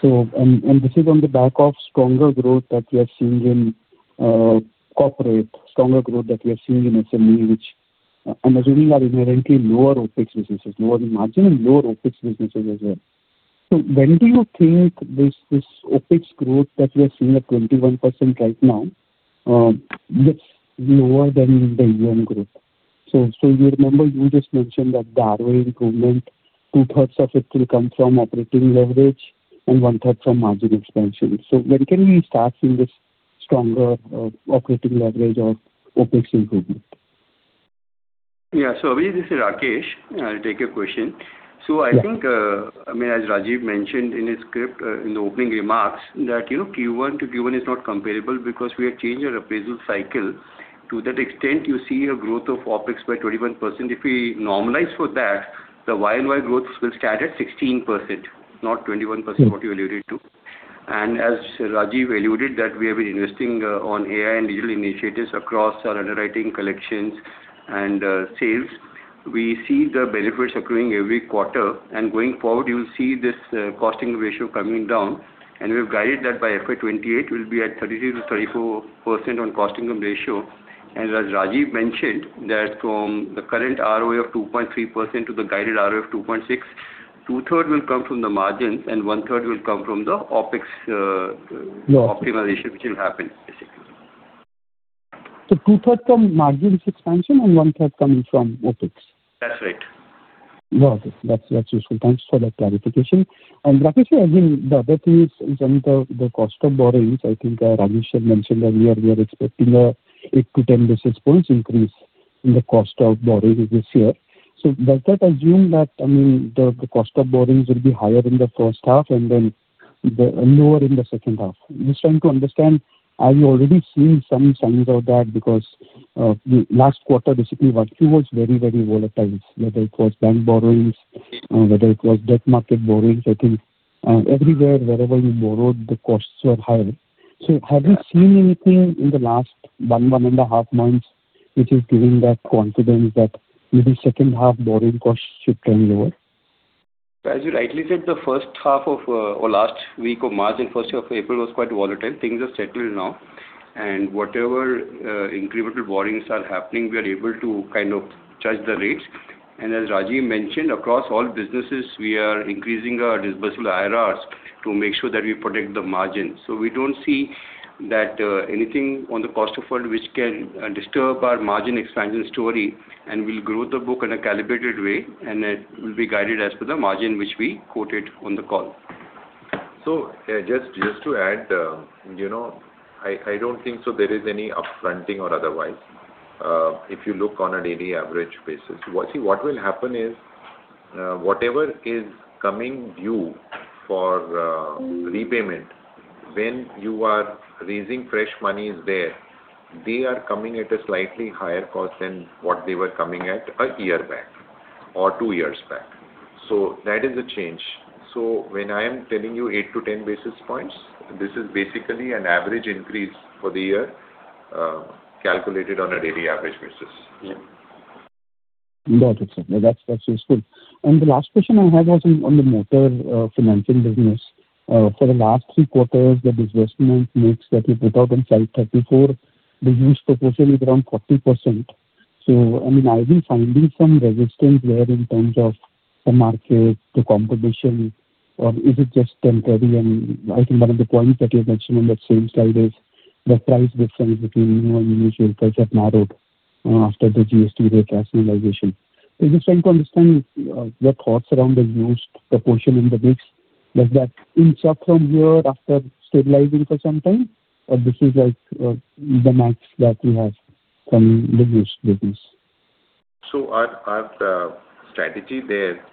This is on the back of stronger growth that we are seeing in corporate, stronger growth that we are seeing in SME, which I'm assuming are inherently lower OpEx businesses, lower-margin and lower OpEx businesses as well. When do you think this OpEx growth that we are seeing at 21% right now gets lower than the AUM growth? You remember you just mentioned that the ROE improvement, 2/3 of it will come from operating leverage and 1/3 from margin expansion. When can we start seeing this stronger operating leverage of OpEx improvement? Yeah. Abhijit, this is Rakesh. I'll take your question. I think, as Rajiv mentioned in his script in the opening remarks, that Q1-to-Q1 is not comparable because we have changed our appraisal cycle. To that extent, you see a growth of OpEx by 21%. If we normalize for that, the YoY growth will stand at 16%, not 21% what you alluded to. As Rajiv alluded, that we have been investing on AI and digital initiatives across our underwriting collections, and sales, we see the benefits accruing every quarter. Going forward, you'll see this costing ratio coming down, and we've guided that by FY 2028, we'll be at 33%-34% on cost-to-income ratio. As Rajiv mentioned, that from the current ROA of 2.3% to the guided ROA of 2.6%, 2/3 will come from the margins and 1/3 will come from the OpEx optimization which will happen, basically. 2/3 from margins expansion and 1/3 coming from OpEx? That's right. Got it. That's useful. Thanks for that clarification. Rakesh sir, again, the other thing is in terms of the cost of borrowings. I think Rajiv sir mentioned earlier we are expecting an 8-10 basis points increase in the cost of borrowings this year. Does that assumed that the cost of borrowings will be higher in the first half and then lower in the second half? Just trying to understand, are you already seeing some signs of that? Because last quarter, basically, was very, very volatile, whether it was bank borrowings, whether it was debt market borrowings. I think everywhere, wherever you borrowed, the costs were higher. Have you seen anything in the last one and a half months, which is giving that confidence that maybe second half borrowing costs should trend lower? As you rightly said, the first half of or last week of March and first week of April was quite volatile. Things are settled now. Whatever incremental borrowings are happening, we are able to kind of judge the rates. As Rajiv mentioned, across all businesses, we are increasing our disbursal IRRs to make sure that we protect the margins. We don't see that anything on the cost of fund which can disturb our margin expansion story and will grow the book in a calibrated way and will be guided as per the margin which we quoted on the call. Just to add, I don't think so there is any upfronting or otherwise if you look on a daily average basis. See, what will happen is whatever is coming due for repayment when you are raising fresh money is there, they are coming at a slightly higher cost than what they were coming at a year back or two years back. That is a change. When I'm telling you 8-10 basis points, this is basically an average increase for the year, calculated on a daily average basis. Yeah. Got it, sir. That's useful. The last question I had was on the Motor Financing business. For the last three quarters, the disbursement mix that you put out in slide 34, the used proportion is around 40%. Are we finding some resistance there in terms of the market, the competition, or is it just temporary? I think one of the points that you mentioned on that same slide is the price difference between new and used which have narrowed after the GST rate rationalization. I'm just trying to understand your thoughts around the used proportion in the mix. Does that inch up from here after stabilizing for some time, or this is the max that we have from the used business? Our strategy there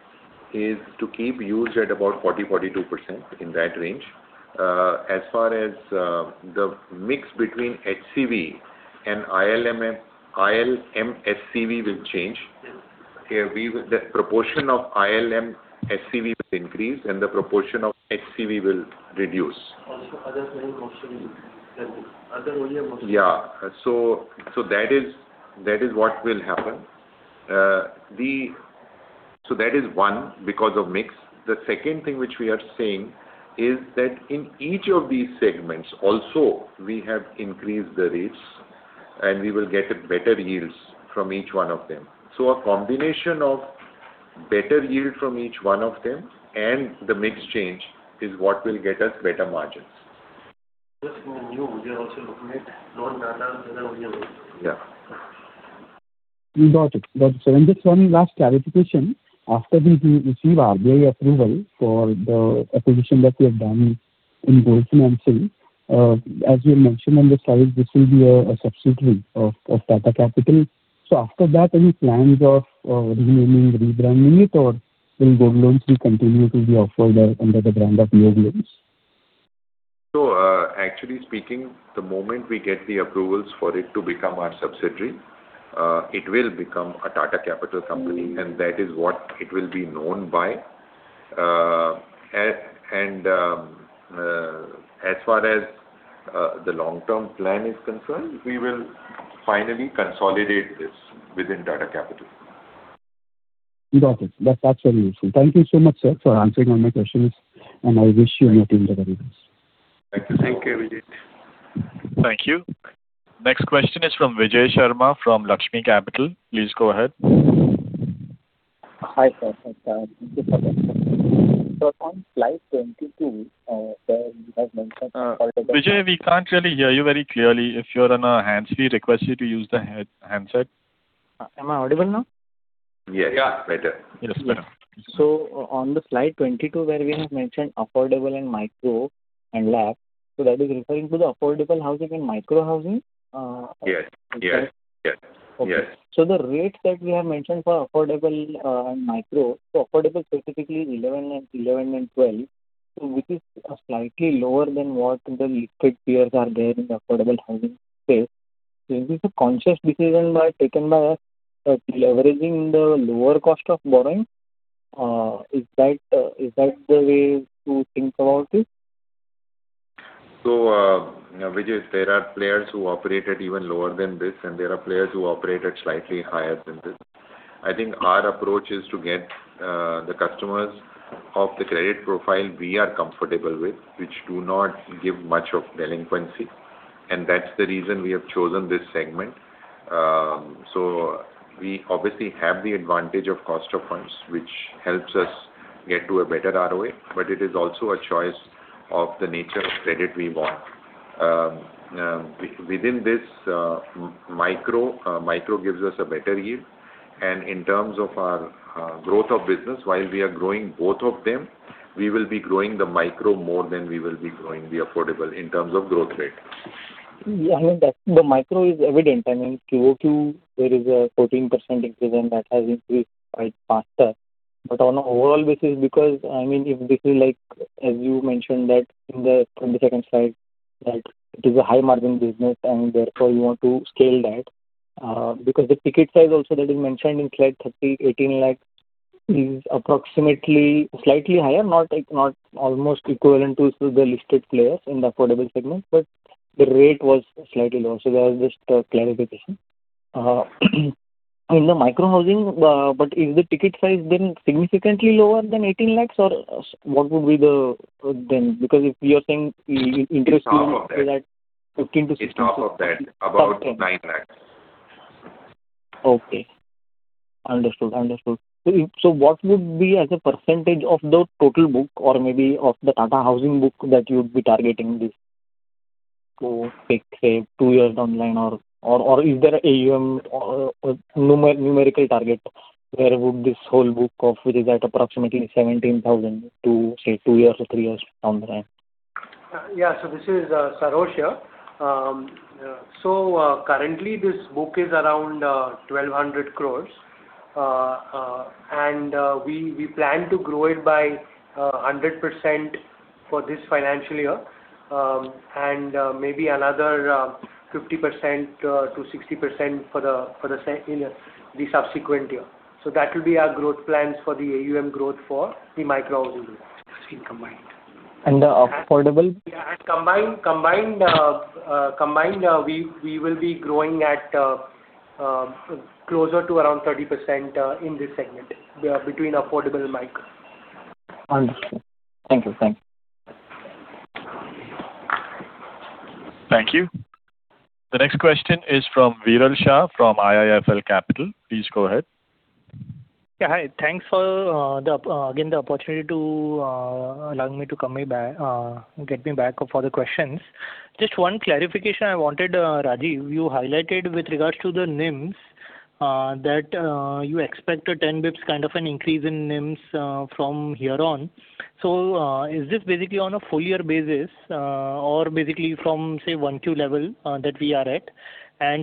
is to keep used at about 40%-42%, in that range. As far as the mix between HCV and ILMSCV will change. Yes. The proportion of ILMSCV will increase, and the proportion of HCV will reduce. Also, other. <audio distortion> Yeah. That is what will happen. That is one, because of mix. The second thing which we are seeing is that in each of these segments also, we have increased the rates and we will get better yields from each one of them. A combination of better yield from each one of them and the mix change is what will get us better margins. We are also looking at loan data and. <audio distortion> Yeah. Got it. Sir, just one last clarification. After we receive RBI approval for the acquisition that we have done in gold financing, as you have mentioned on the slide, this will be a subsidiary of Tata Capital. After that, any plans of renaming, rebranding it, or will gold loans will continue to be offered under the brand of Yogloans? Actually speaking, the moment we get the approvals for it to become our subsidiary, it will become a Tata Capital company, and that is what it will be known by. As far as the long-term plan is concerned, we will finally consolidate this within Tata Capital. Got it. That's very useful. Thank you so much, sir, for answering all my questions. I wish you and your team the very best. Thank you. Thank you, Abhijit. Thank you. Next question is from [Vijay Sharma] from [Laxmi Capital]. Please go ahead. Hi, sir. Thank you for the opportunity. On slide 22, where you have mentioned. [Vijay], we can't really hear you very clearly. If you're on a hands-free, we request you to use the handset. Am I audible now? Yes. Yeah. Better. Yes. On the slide 22, where we have mentioned affordable and micro and large, so that is referring to the affordable housing and micro housing? Yes. Okay. Yes. The rates that we have mentioned for affordable and micro, so affordable specifically is 11% and 12%, which is slightly lower than what the listed peers are there in the affordable housing space. Is this a conscious decision taken by us, leveraging the lower cost of borrowing? Is that the way to think about it? [Vijay], there are players who operate at even lower than this, and there are players who operate at slightly higher than this. I think our approach is to get the customers of the credit profile we are comfortable with, which do not give much of delinquency, and that's the reason we have chosen this segment. We obviously have the advantage of cost of funds, which helps us get to a better ROA, but it is also a choice of the nature of credit we want. Within this micro, micro gives us a better yield. In terms of our growth of business, while we are growing both of them, we will be growing the micro more than we will be growing the affordable in terms of growth rate. The micro is evident. I mean, QoQ, there is a 14% increase and that has increased quite faster. On an overall basis, because, I mean, if this is like, as you mentioned that in the 22nd slide, that it is a high-margin business and therefore you want to scale that, because the ticket size also that is mentioned in slide 30, 18 lakh, is approximately slightly higher, not almost equivalent to the listed players in the affordable segment, but the rate was slightly lower. That was just a clarification. In the micro and housing, is the ticket size then significantly lower than 18 lakh, or what would be then, because if you are saying the interest is 15 lakh-16 lakh? It's half of that. About 9 lakh. Okay. Understood. What would be as a percentage of the total book or maybe of the Tata Housing book that you would be targeting this? Say, two years down the line or is there a numerical target where would this whole book of, which is at approximately 17,000 to, say, two years or three years down the line? Yeah. So, this is Sarosh here. Currently, this book is around 1,200 crore. We plan to grow it by 100% for this financial year, and maybe another 50%-60% for the subsequent year. That will be our growth plans for the AUM growth for the micro-housing loans combined. The affordable? Yeah. Combined, we will be growing at closer to around 30% in this segment between affordable and micro. Understood. Thank you. Thank you. The next question is from Viral Shah from IIFL Capital. Please go ahead. Yeah. Hi. Thanks for, again, the opportunity to allowing me to get me back for the questions. Just one clarification I wanted, Rajiv. You highlighted with regards to the NIMs that you expect a 10 basis point kind of an increase in NIMs from here on. Is this basically on a full-year basis or basically from, say, 1Q level that we are at?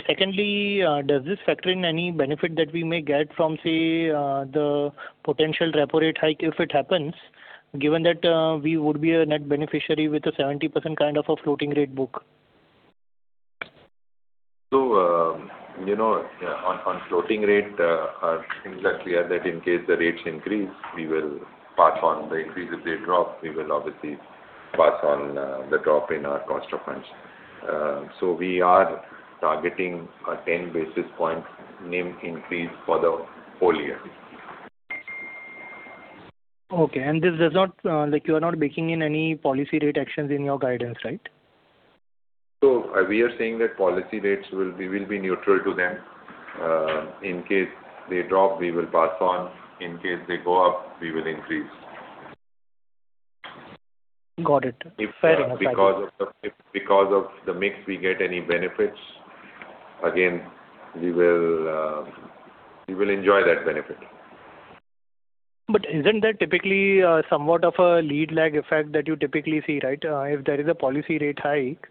Secondly, does this factor in any benefit that we may get from, say, the potential repo rate hike if it happens, given that we would be a net beneficiary with a 70% kind of a floating rate book? On floating rate, things are clear that in case the rates increase, we will pass on the increase. If they drop, we will obviously pass on the drop in our cost of funds. We are targeting a 10 basis point NIM increase for the whole year. Okay. You are not baking in any policy rate actions in your guidance, right? We are saying that policy rates, we will be neutral to them. In case they drop, we will pass on. In case they go up, we will increase. Got it. Fair enough. If because of the mix, we get any benefits, again, we will enjoy that benefit. Isn't that typically somewhat of a lead-lag effect that you typically see, right? If there is a policy rate hike,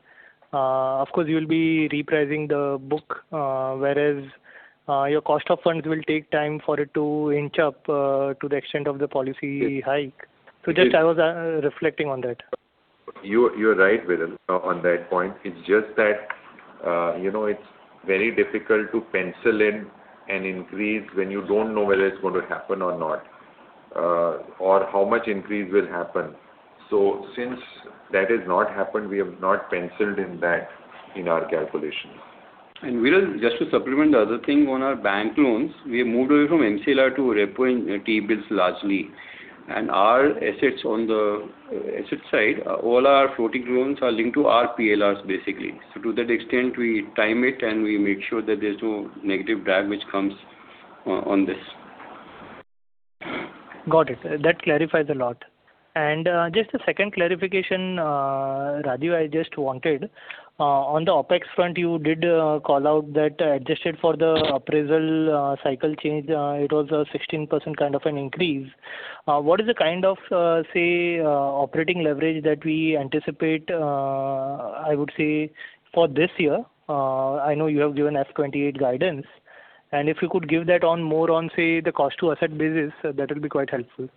of course, you'll be repricing the book whereas your cost of funds will take time for it to inch up to the extent of the policy hike. Just I was reflecting on that. You're right, Viral, on that point. It's just that it's very difficult to pencil in an increase when you don't know whether it's going to happen or not or how much increase will happen. Since that has not happened, we have not penciled in that in our calculations. Viral, just to supplement the other thing on our bank loans, we have moved away from MCLR to repo and T-bills largely. Our assets on the asset side, all our floating loans are linked to our PLRs, basically. To that extent, we time it, and we make sure that there's no negative drag which comes on this. Got it. That clarifies a lot. Just a second clarification, Rajiv, I just wanted, on the OpEx front, you did call out that adjusted for the appraisal cycle change it was a 16% kind of an increase. What is the kind of, say, operating leverage that we anticipate, I would say, for this year? I know you have given FY 2028 guidance. If you could give that on more on, say, the cost-to-asset basis, that will be quite helpful.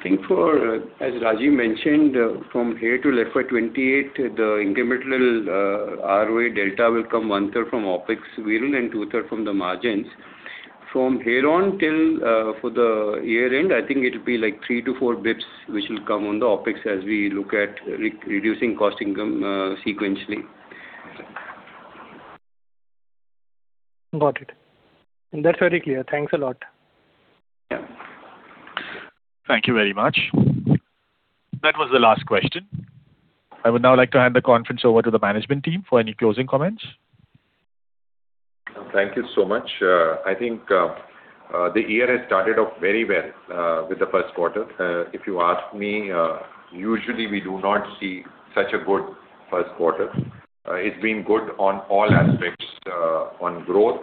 I think, as Rajiv mentioned, from here till FY 2028, the incremental ROA delta will come 1/3 from OpEx, Viral, and 2/3 from the margins. From here on till for the year-end, I think it will be like 3-4 basis points which will come on the OpEx as we look at reducing cost-to-income sequentially. Got it. That's very clear. Thanks a lot. Yeah. Thank you very much. That was the last question. I would now like to hand the conference over to the management team for any closing comments. Thank you so much. I think the year has started off very well with the first quarter. If you ask me, usually, we do not see such a good first quarter. It's been good on all aspects, on growth,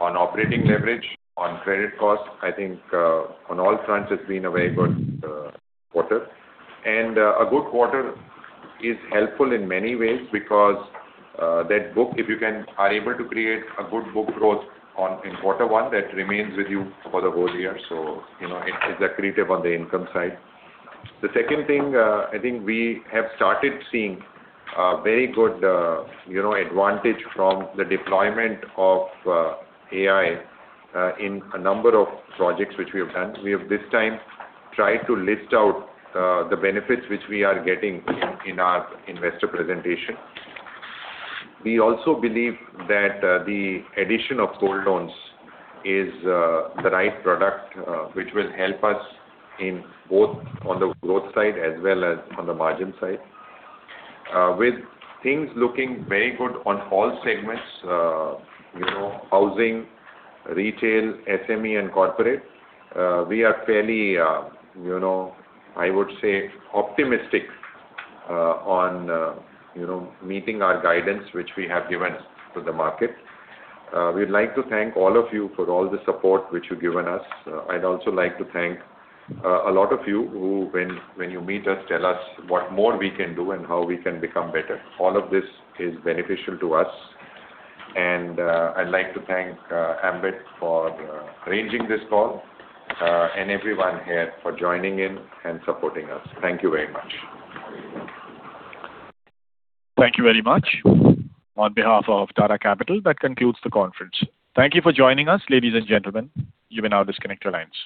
on operating leverage, on credit cost. I think on all fronts, it's been a very good quarter. A good quarter is helpful in many ways because that book, if you are able to create a good book growth in quarter one, that remains with you for the whole year, so it's accretive on the income side. The second thing, I think we have started seeing a very good advantage from the deployment of AI in a number of projects which we have done. We have, this time, tried to list out the benefits which we are getting in our investor presentation. We also believe that the addition of gold loans is the right product which will help us in both on the growth side as well as on the margin side. With things looking very good on all segments, housing, retail, SME, and corporate, we are fairly, I would say, optimistic on meeting our guidance which we have given to the market. We'd like to thank all of you for all the support which you've given us. I'd also like to thank a lot of you who, when you meet us, tell us what more we can do and how we can become better. All of this is beneficial to us. I'd like to thank Ambit Capital for arranging this call and everyone here for joining in and supporting us. Thank you very much. Thank you very much. On behalf of Tata Capital, that concludes the conference. Thank you for joining us, ladies and gentlemen. You may now disconnect your lines.